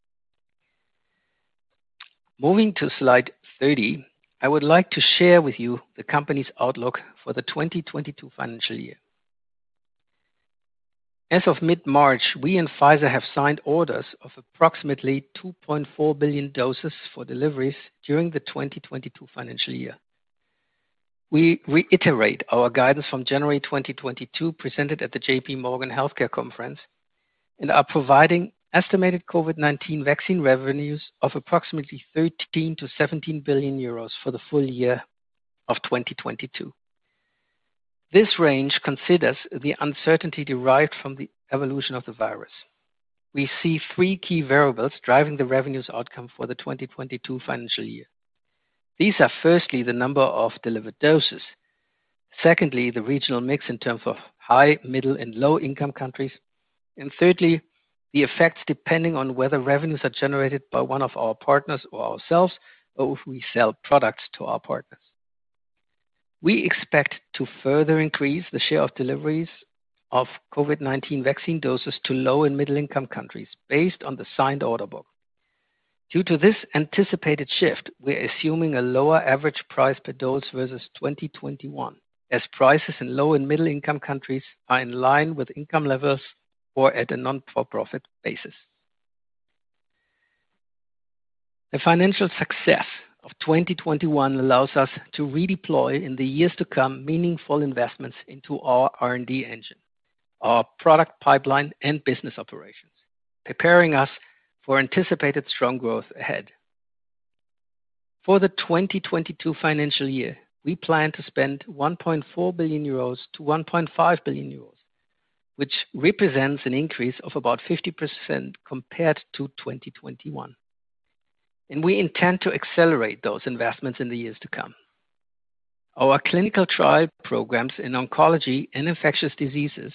Moving to slide 30, I would like to share with you the company's outlook for the 2022 financial year. As of mid-March, we and Pfizer have signed orders of approximately 2.4 billion doses for deliveries during the 2022 financial year. We reiterate our guidance from January 2022, presented at the J.P. Morgan Healthcare Conference, and are providing estimated COVID-19 vaccine revenues of approximately 13 billion-17 billion euros for the full year of 2022. This range considers the uncertainty derived from the evolution of the virus. We see three key variables driving the revenues outcome for the 2022 financial year. These are firstly, the number of delivered doses. Secondly, the regional mix in terms of high, middle, and low income countries. And thirdly, the effects, depending on whether revenues are generated by one of our partners or ourselves, or if we sell products to our partners. We expect to further increase the share of deliveries of COVID-19 vaccine doses to low and middle income countries based on the signed order book. Due to this anticipated shift, we're assuming a lower average price per dose versus 2021, as prices in low- and middle-income countries are in line with income levels or at a not-for-profit basis. The financial success of 2021 allows us to redeploy in the years to come meaningful investments into our R&D engine, our product pipeline and business operations, preparing us for anticipated strong growth ahead. For the 2022 financial year, we plan to spend 1.4 billion-1.5 billion euros, which represents an increase of about 50% compared to 2021. We intend to accelerate those investments in the years to come. Our clinical trial programs in oncology and infectious diseases,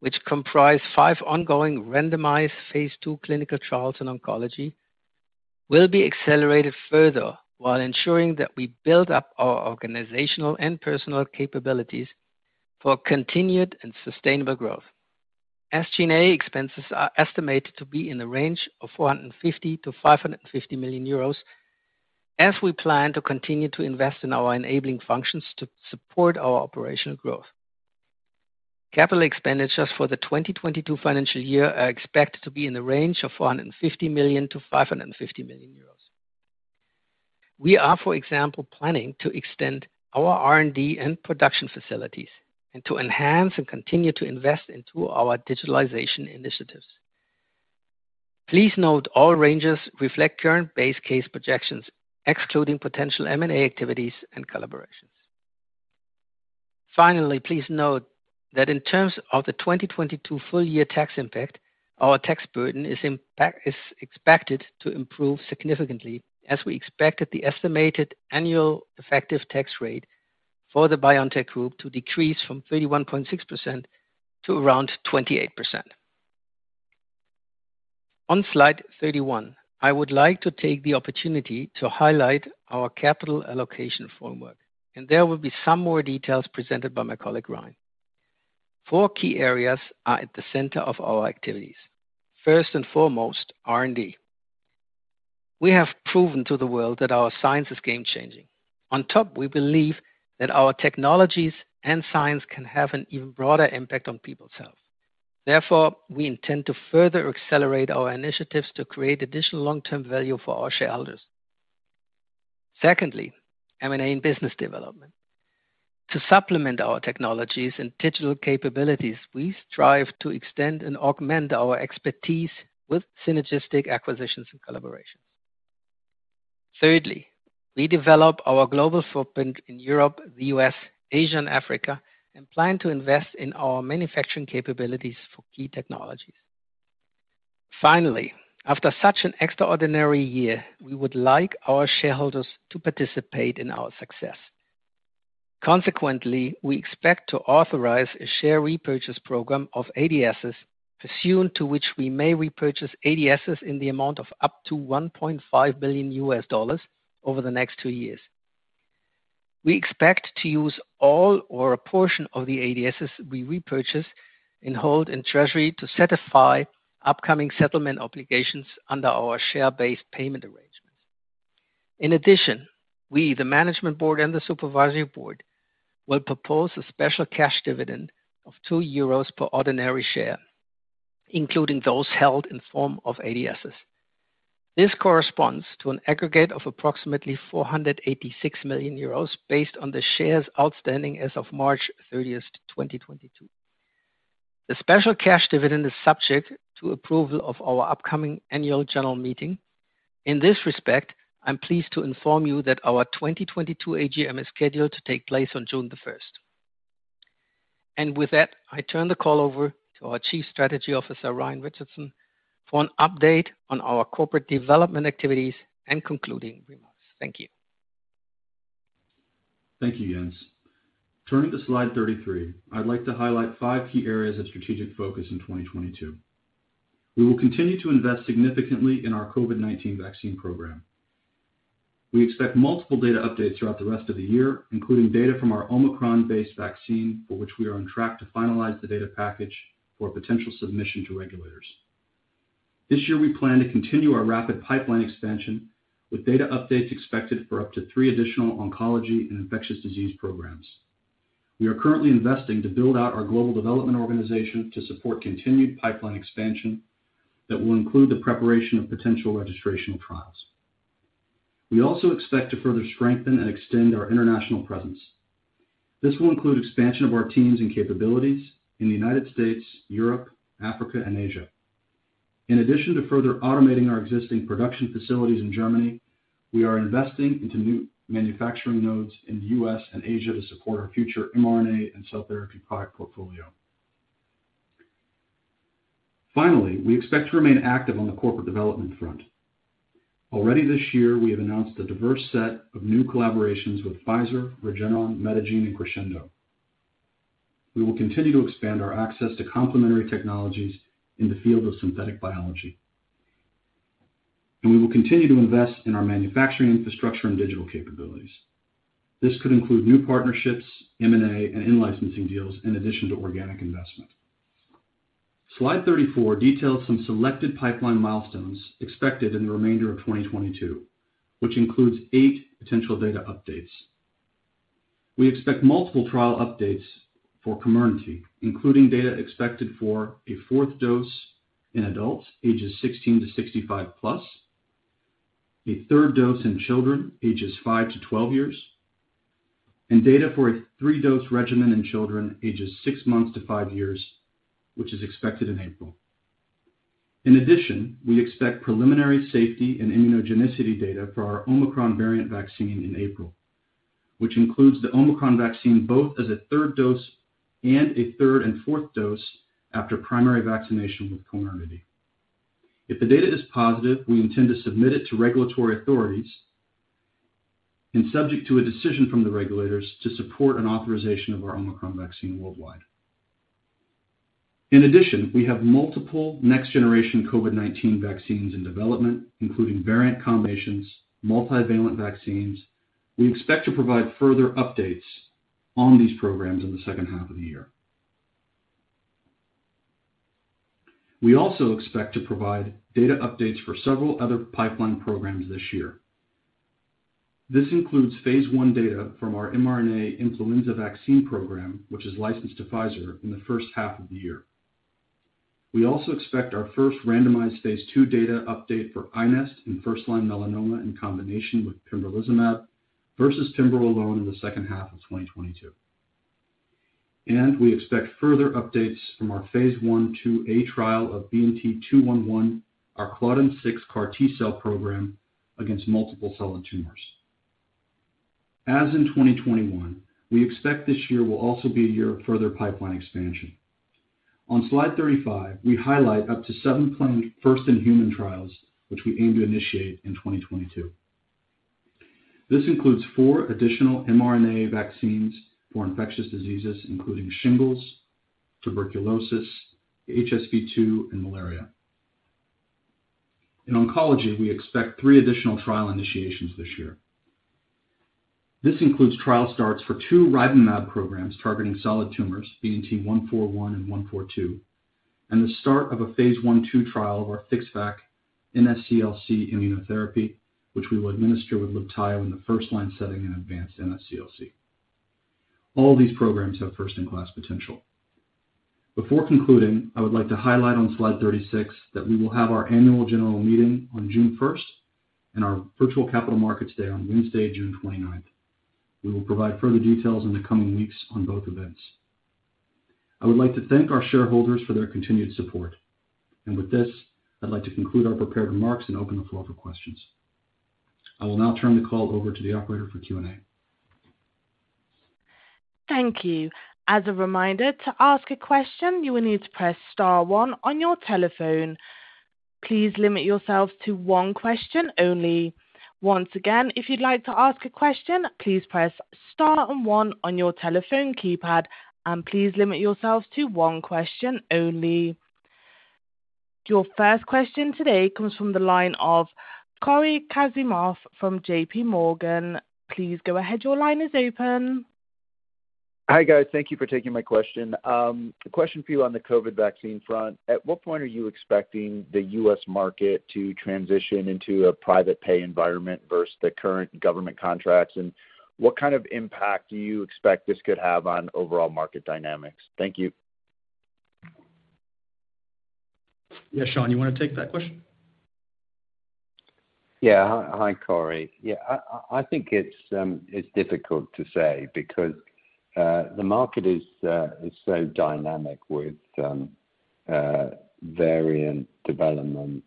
which comprise five ongoing randomized phase II clinical trials in oncology, will be accelerated further while ensuring that we build up our organizational and personal capabilities for continued and sustainable growth. G&A expenses are estimated to be in the range of 450 million-550 million euros, as we plan to continue to invest in our enabling functions to support our operational growth. Capital expenditures for the 2022 financial year are expected to be in the range of 450 million-550 million euros. We are, for example, planning to extend our R&D and production facilities and to enhance and continue to invest into our digitalization initiatives. Please note all ranges reflect current base case projections excluding potential M&A activities and collaborations. Finally, please note that in terms of the 2022 full year tax impact, our tax burden is expected to improve significantly as we expected the estimated annual effective tax rate for the BioNTech Group to decrease from 31.6% to around 28%. On slide 31, I would like to take the opportunity to highlight our capital allocation framework, and there will be some more details presented by my colleague, Ryan. Four key areas are at the center of our activities. First and foremost, R&D. We have proven to the world that our science is game-changing. On top, we believe that our technologies and science can have an even broader impact on people's health. Therefore, we intend to further accelerate our initiatives to create additional long-term value for our shareholders. Secondly, M&A and business development. To supplement our technologies and digital capabilities, we strive to extend and augment our expertise with synergistic acquisitions and collaborations. Thirdly, we develop our global footprint in Europe, the U.S., Asia, and Africa, and plan to invest in our manufacturing capabilities for key technologies. Finally, after such an extraordinary year, we would like our shareholders to participate in our success. Consequently, we expect to authorize a share repurchase program of ADSs, pursuant to which we may repurchase ADSs in the amount of up to $1.5 billion over the next two years. We expect to use all or a portion of the ADSs we repurchase and hold in treasury to satisfy upcoming settlement obligations under our share-based payment arrangements. In addition, we, the Management Board and the Supervisory Board, will propose a special cash dividend of 2 euros per ordinary share, including those held in form of ADSs. This corresponds to an aggregate of approximately 486 million euros based on the shares outstanding as of March 30th, 2022. The special cash dividend is subject to approval of our upcoming annual general meeting. In this respect, I'm pleased to inform you that our 2022 AGM is scheduled to take place on June 1st. With that, I turn the call over to our Chief Strategy Officer, Ryan Richardson, for an update on our corporate development activities and concluding remarks. Thank you. Thank you, Jens. Turning to slide 33, I'd like to highlight five key areas of strategic focus in 2022. We will continue to invest significantly in our COVID-19 vaccine program. We expect multiple data updates throughout the rest of the year, including data from our Omicron-based vaccine, for which we are on track to finalize the data package for potential submission to regulators. This year, we plan to continue our rapid pipeline expansion with data updates expected for up to three additional oncology and infectious disease programs. We are currently investing to build out our global development organization to support continued pipeline expansion that will include the preparation of potential registrational trials. We also expect to further strengthen and extend our international presence. This will include expansion of our teams and capabilities in the United States, Europe, Africa, and Asia. In addition to further automating our existing production facilities in Germany, we are investing into new manufacturing nodes in the U.S. and Asia to support our future mRNA and cell therapy product portfolio. Finally, we expect to remain active on the corporate development front. Already this year, we have announced a diverse set of new collaborations with Pfizer, Regeneron, Medigene, and Crescendo. We will continue to expand our access to complementary technologies in the field of synthetic biology. We will continue to invest in our manufacturing infrastructure and digital capabilities. This could include new partnerships, M&A, and in-licensing deals in addition to organic investment. Slide 34 details some selected pipeline milestones expected in the remainder of 2022, which includes eight potential data updates. We expect multiple trial updates for Comirnaty, including data expected for a fourth dose in adults ages 16 - 65+, a third dose in children ages five years - 12 years, and data for a three-dose regimen in children ages six months to five years, which is expected in April. In addition, we expect preliminary safety and immunogenicity data for our Omicron variant vaccine in April, which includes the Omicron vaccine both as a third dose and a third and fourth dose after primary vaccination with Comirnaty. If the data is positive, we intend to submit it to regulatory authorities, and subject to a decision from the regulators, to support an authorization of our Omicron vaccine worldwide. In addition, we have multiple next-generation COVID-19 vaccines in development, including variant combinations, multivalent vaccines. We expect to provide further updates on these programs in the second half of the year. We also expect to provide data updates for several other pipeline programs this year. This includes phase I data from our mRNA influenza vaccine program, which is licensed to Pfizer in the first half of the year. We also expect our first randomized phase II data update for iNeST in first-line melanoma in combination with pembrolizumab versus pembro alone in the second half of 2022. We expect further updates from our phase I/IIa trial of BNT211, our Claudin-6 CAR T-cell program against multiple solid tumors. As in 2021, we expect this year will also be a year of further pipeline expansion. On slide 35, we highlight up to seven planned first-in-human trials, which we aim to initiate in 2022. This includes four additional mRNA vaccines for infectious diseases, including shingles, tuberculosis, HSV-2, and malaria. In oncology, we expect three additional trial initiations this year. This includes trial starts for two RiboMab programs targeting solid tumors, BNT141 and BNT142, and the start of a phase I/II trial of our FixVac NSCLC immunotherapy, which we will administer with Libtayo in the first-line setting in advanced NSCLC. All these programs have first-in-class potential. Before concluding, I would like to highlight on slide 36 that we will have our annual general meeting on June 1 and our virtual Capital Markets Day on Wednesday, June 29th. We will provide further details in the coming weeks on both events. I would like to thank our shareholders for their continued support. With this, I'd like to conclude our prepared remarks and open the floor for questions. I will now turn the call over to the operator for Q&A. Thank you. As a reminder, to ask a question, you will need to press star one on your telephone. Please limit yourselves to one question only. Once again, if you'd like to ask a question, please press star and one on your telephone keypad and please limit yourselves to one question only. Your first question today comes from the line of Cory Kasimov from J.P. Morgan. Please go ahead. Your line is open. Hi, guys. Thank you for taking my question. A question for you on the COVID vaccine front. At what point are you expecting the U.S. market to transition into a private pay environment versus the current government contracts? And what kind of impact do you expect this could have on overall market dynamics? Thank you. Yeah. Sean, you want to take that question? Yeah. Hi, Cory. Yeah, I think it's difficult to say because the market is so dynamic with variant development,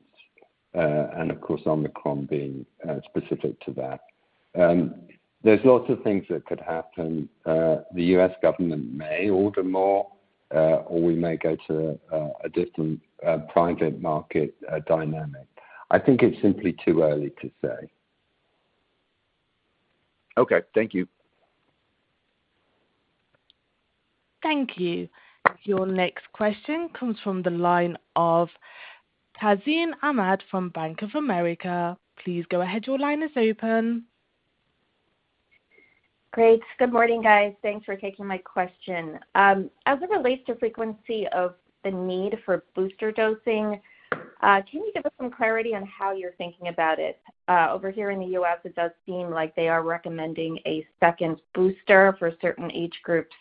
and of course, Omicron being specific to that. There's lots of things that could happen. The U.S. government may order more, or we may go to a different private market dynamic. I think it's simply too early to say. Okay, thank you. Thank you. Your next question comes from the line of Tazeen Ahmad from Bank of America. Please go ahead. Your line is open. Great. Good morning, guys. Thanks for taking my question. As it relates to frequency of the need for booster dosing, can you give us some clarity on how you're thinking about it? Over here in the U.S., it does seem like they are recommending a second booster for certain age groups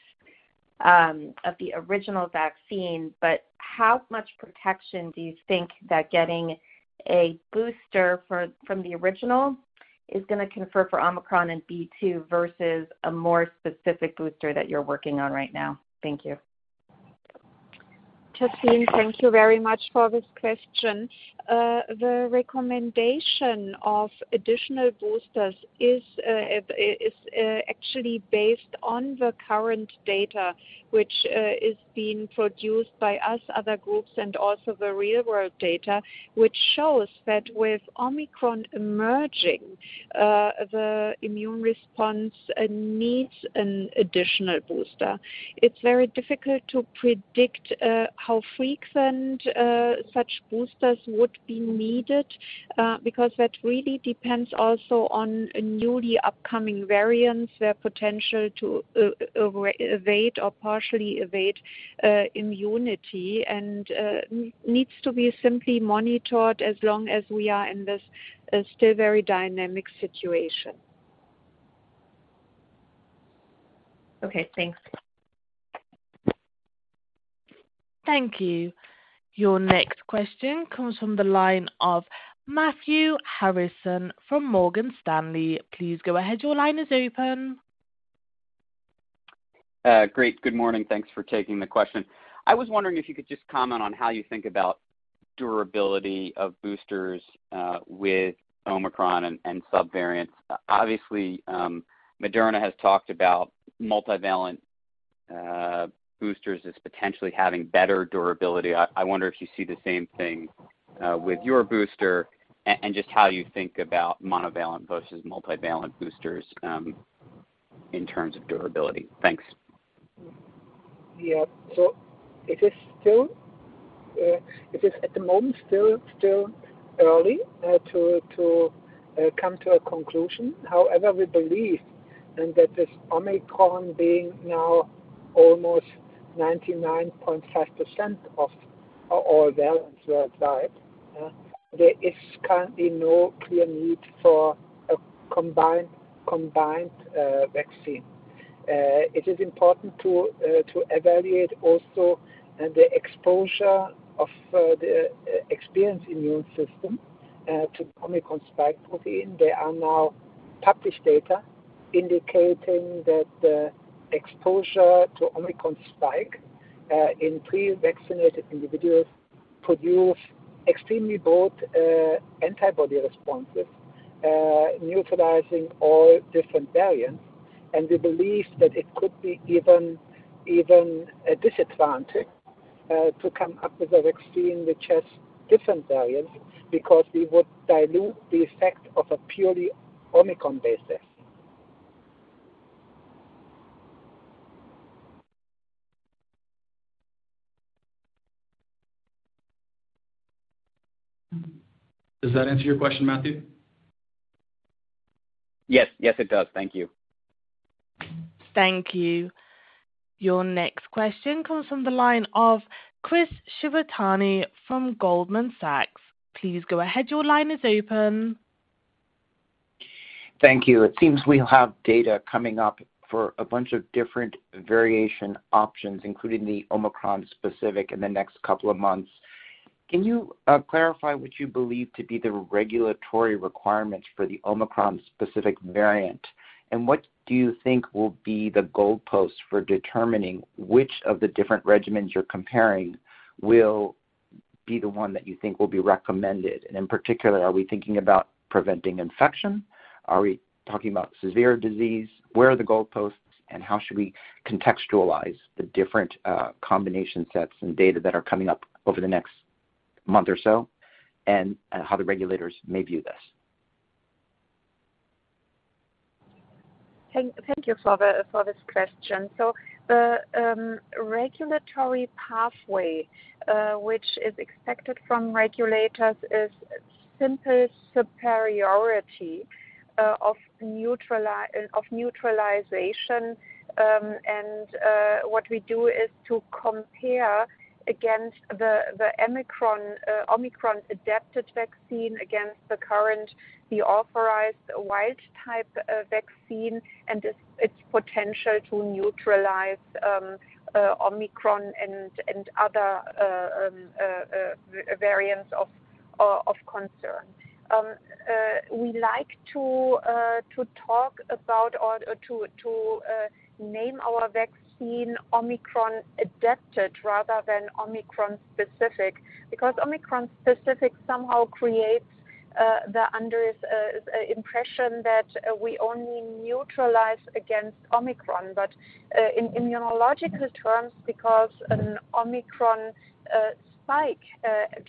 of the original vaccine. How much protection do you think that getting a booster from the original is gonna confer for Omicron and B2 versus a more specific booster that you're working on right now? Thank you. Tazeen, thank you very much for this question. The recommendation of additional boosters is actually based on the current data, which is being produced by us, other groups, and also the real-world data, which shows that with Omicron emerging, the immune response needs an additional booster. It's very difficult to predict how frequent such boosters would be needed, because that really depends also on newly upcoming variants, their potential to evade or partially evade immunity, and needs to be simply monitored as long as we are in this still very dynamic situation. Okay, thanks. Thank you. Your next question comes from the line of Matthew Harrison from Morgan Stanley. Please go ahead. Your line is open. Great. Good morning. Thanks for taking the question. I was wondering if you could just comment on how you think about durability of boosters with Omicron and subvariants. Obviously, Moderna has talked about multivalent boosters as potentially having better durability. I wonder if you see the same thing with your booster and just how you think about monovalent versus multivalent boosters in terms of durability. Thanks. Yeah. It is still at the moment still early to come to a conclusion. However, we believe that this Omicron being now almost 99.5% of all variants worldwide, there is currently no clear need for a combined vaccine. It is important to evaluate also the exposure of the pre-existing immune system to Omicron spike protein. There are now published data indicating that the exposure to Omicron spike in previously vaccinated individuals produce extremely broad antibody responses, neutralizing all different variants. We believe that it could be even a disadvantage to come up with a vaccine which has different variants, because we would dilute the effect of a purely Omicron-based. Does that answer your question, Matthew? Yes. Yes, it does. Thank you. Thank you. Your next question comes from the line of Chris Shibutani from Goldman Sachs. Please go ahead. Your line is open. Thank you. It seems we'll have data coming up for a bunch of different variant options, including the Omicron-specific in the next couple of months. Can you clarify what you believe to be the regulatory requirements for the Omicron-specific variant? And what do you think will be the goalposts for determining which of the different regimens you're comparing will be the one that you think will be recommended? And in particular, are we thinking about preventing infection? Are we talking about severe disease? Where are the goalposts, and how should we contextualize the different combination sets and data that are coming up over the next month or so, and how the regulators may view this? Thank you for this question. The regulatory pathway which is expected from regulators is simple superiority of neutralization. What we do is to compare the Omicron-adapted vaccine against the current authorized wild type vaccine and its potential to neutralize Omicron and other variants of concern. We like to talk about or to name our vaccine Omicron-adapted rather than Omicron-specific, because Omicron-specific somehow creates the impression that we only neutralize against Omicron. In immunological terms, because an Omicron spike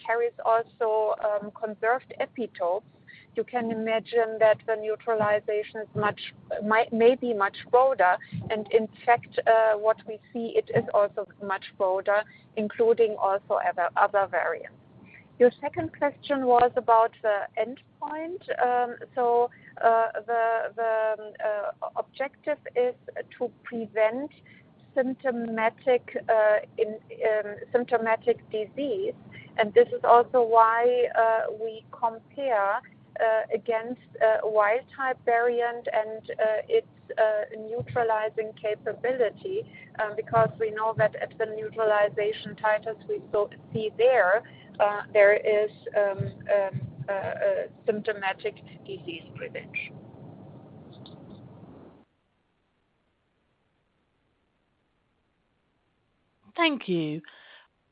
carries also conserved epitopes, you can imagine that the neutralization may be much broader. In fact, what we see, it is also much broader, including also other variants. Your second question was about the endpoint. The objective is to prevent symptomatic disease. This is also why we compare against a wild-type variant and its neutralizing capability, because we know that at the neutralization titers we see there is symptomatic disease prevention. Thank you.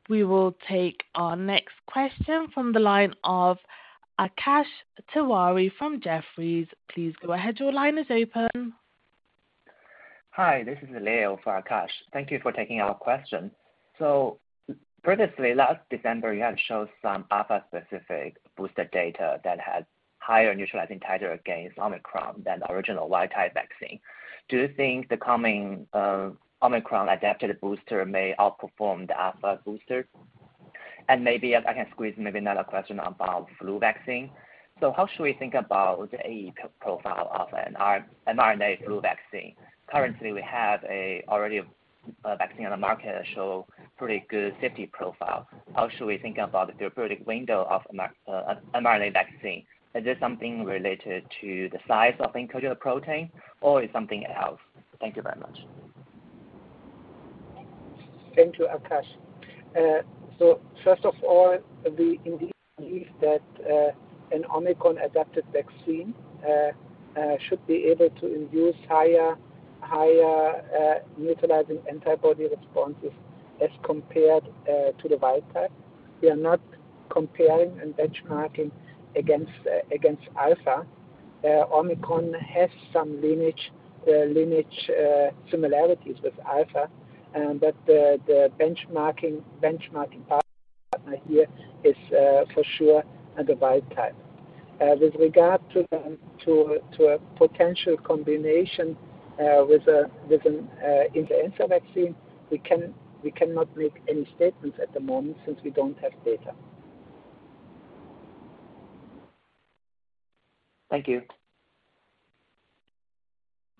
We will take our next question from the line of Akash Tewari from Jefferies. Please go ahead. Your line is open. Hi, this is Leo for Akash. Thank you for taking our question. Previously, last December, you had showed some Alpha-specific booster data that had higher neutralizing titer against Omicron than original wild type vaccine. Do you think the coming Omicron-adapted booster may outperform the Alpha booster? Maybe if I can squeeze maybe another question about flu vaccine. How should we think about AE profile of an mRNA flu vaccine? Currently, we have already a vaccine on the market that show pretty good safety profile. How should we think about the therapeutic window of mRNA vaccine? Is this something related to the size of encoded protein, or is something else? Thank you very much. Thank you, Akash. First of all, we indeed believe that an Omicron-adapted vaccine should be able to induce higher neutralizing antibody responses as compared to the wild type. We are not comparing and benchmarking against Alpha. Omicron has some lineage similarities with Alpha, but the benchmarking partner here is for sure the wild type. With regard to a potential combination with an influenza vaccine, we cannot make any statements at the moment since we don't have data. Thank you.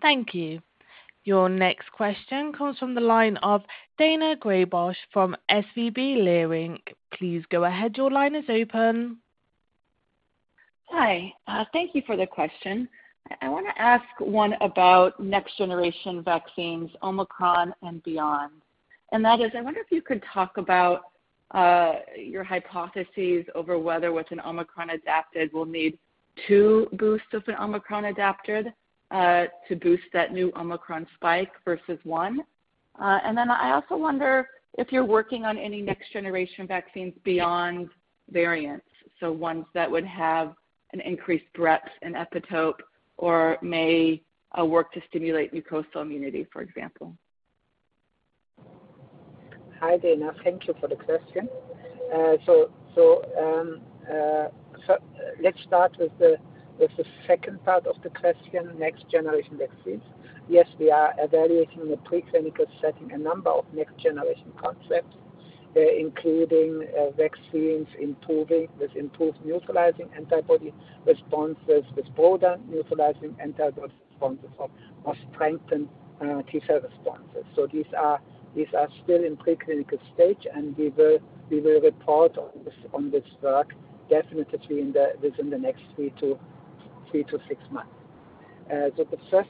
Thank you. Your next question comes from the line of Daina Graybosch from SVB Leerink. Please go ahead. Your line is open. Hi. Thank you for the question. I wanna ask one about next generation vaccines, Omicron and beyond. That is, I wonder if you could talk about your hypotheses over whether with an Omicron-adapted, we'll need two boosts of an Omicron-adapted to boost that new Omicron spike versus one. Then I also wonder if you're working on any next-generation vaccines beyond variants, so ones that would have an increased breadth in epitope or may work to stimulate mucosal immunity, for example. Hi, Diana. Thank you for the question. Let's start with the second part of the question, next-generation vaccines. Yes, we are evaluating in a preclinical setting a number of next-generation concepts, including vaccines with improved neutralizing antibody responses, with broader neutralizing antibody responses or strengthened T-cell responses. These are still in preclinical stage, and we will report on this work definitely within the next three months-six months. The first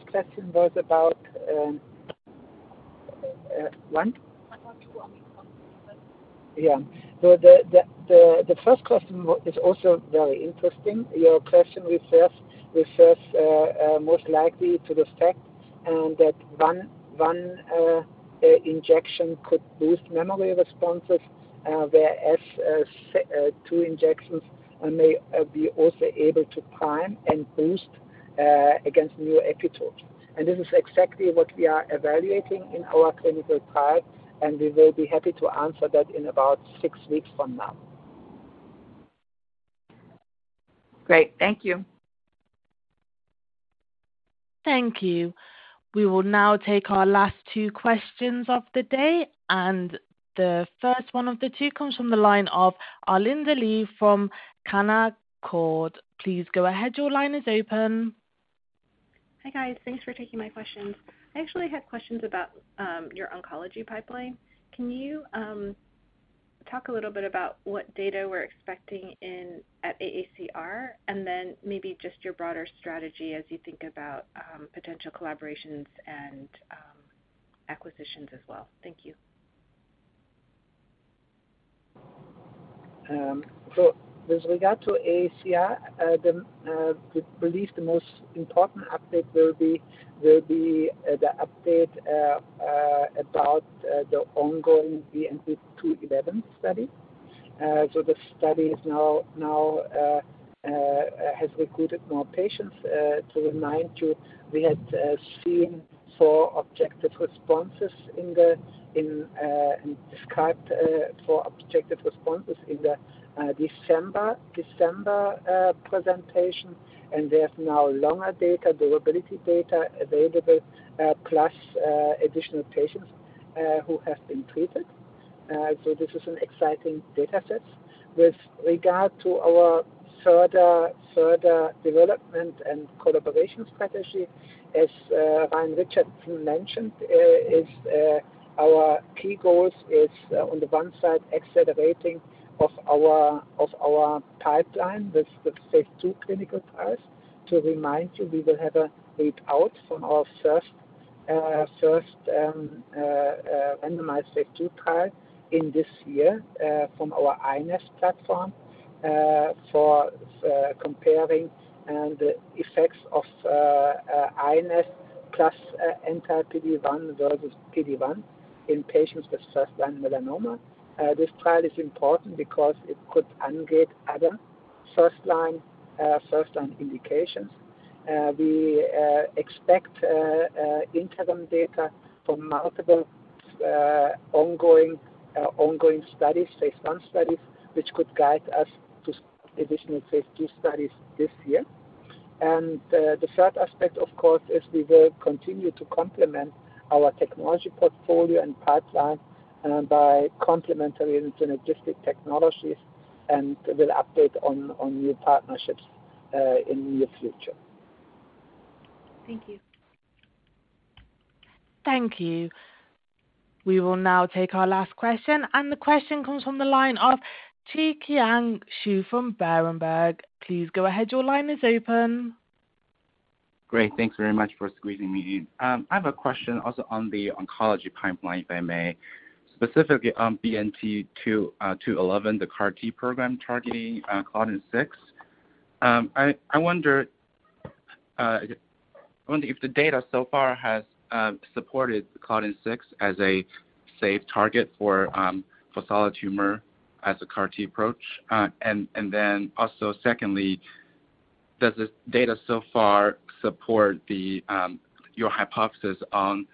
question is also very interesting. Your question refers most likely to the fact that one injection could boost memory responses, whereas two injections may be also able to prime and boost against new epitopes. This is exactly what we are evaluating in our clinical trial, and we will be happy to answer that in about six weeks from now. Great. Thank you. Thank you. We will now take our last two questions of the day, and the first one of the two comes from the line of Arlinda Lee from Canaccord. Please go ahead. Your line is open. Hi, guys. Thanks for taking my questions. I actually had questions about your oncology pipeline. Can you talk a little bit about what data we're expecting at AACR, and then maybe just your broader strategy as you think about potential collaborations and acquisitions as well? Thank you. With regard to AACR, we believe the most important update will be the update about the ongoing BNT211 study. The study now has recruited more patients. To remind you, we had seen four objective responses in the December presentation, and there's now longer data, durability data available, plus additional patients who have been treated. This is an exciting data set. With regard to our further development and collaboration strategy, as Ryan Richardson mentioned, our key goals is on the one side, accelerating of our pipeline with the phase II clinical trials. To remind you, we will have a readout from our first randomized phase II trial this year from our iNeST platform for comparing the effects of iNeST plus anti-PD-1 versus PD-1 in patients with first-line melanoma. This trial is important because it could ungate other first-line indications. We expect interim data from multiple ongoing phase I studies, which could guide us to start additional phase II studies this year. The third aspect, of course, is we will continue to complement our technology portfolio and pipeline by complementary and synergistic technologies and will update on new partnerships in near future. Thank you. Thank you. We will now take our last question, and the question comes from the line of Zhiqiang Shu from Berenberg. Please go ahead. Your line is open. Great. Thanks very much for squeezing me in. I have a question also on the oncology pipeline, if I may, specifically on BNT211, the CAR-T program targeting Claudin-6. I wonder if the data so far has supported Claudin-6 as a safe target for solid tumor as a CAR-T approach. And then also secondly, does the data so far support your hypothesis on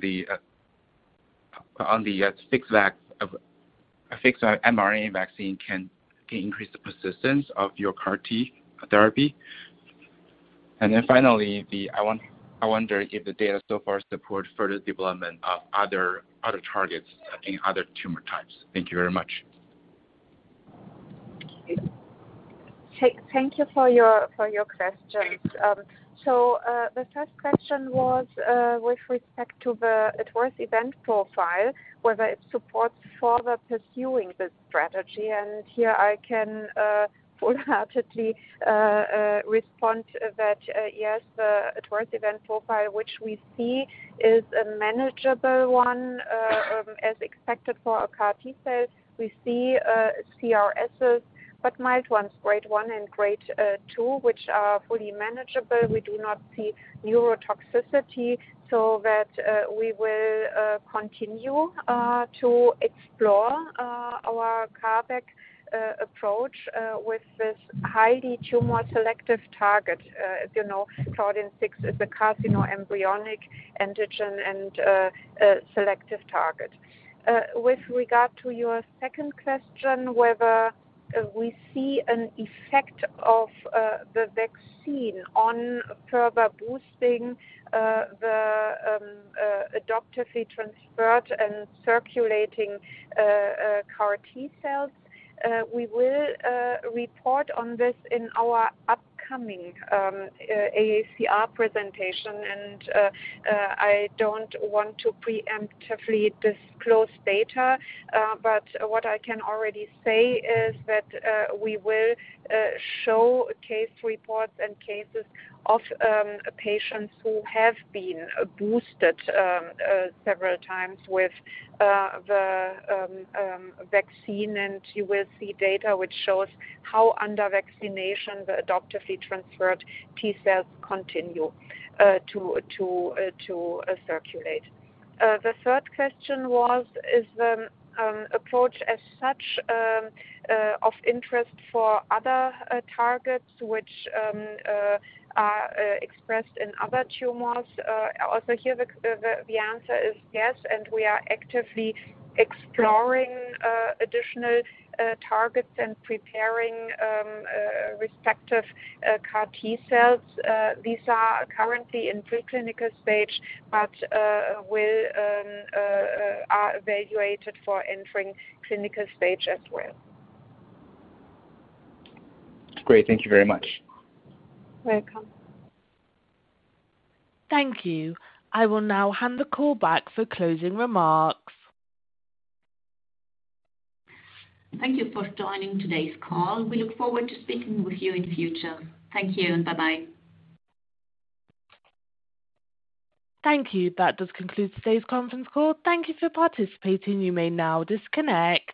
the FixVac mRNA vaccine can increase the persistence of your CAR-T therapy? And then finally, I wonder if the data so far support further development of other targets in other tumor types. Thank you very much. Thank you for your questions. The first question was with respect to the adverse event profile, whether it supports further pursuing this strategy. Here I can wholeheartedly respond that yes, the adverse event profile, which we see is a manageable one, as expected for our CAR-T cells. We see CRS, but mild ones, grade one and grade two, which are fully manageable. We do not see neurotoxicity, we will continue to explore our CARVac approach with this highly tumor-selective target. As you know, Claudin-6 is a carcinoembryonic antigen and selective target. With regard to your second question, whether we see an effect of the vaccine on further boosting the adoptively transferred and circulating CAR T-cells, we will report on this in our upcoming AACR presentation. I don't want to preemptively disclose data, but what I can already say is that we will show case reports and cases of patients who have been boosted several times with the vaccine. You will see data which shows how under vaccination the adoptively transferred T-cells continue to circulate. The third question was, is the approach as such of interest for other targets which are expressed in other tumors? Also, here the answer is yes, and we are actively exploring additional targets and preparing respective CAR-T cells. These are currently in preclinical stage, but are evaluated for entering clinical stage as well. Great. Thank you very much. Welcome. Thank you. I will now hand the call back for closing remarks. Thank you for joining today's call. We look forward to speaking with you in the future. Thank you, and bye-bye. Thank you. That does conclude today's conference call. Thank you for participating. You may now disconnect.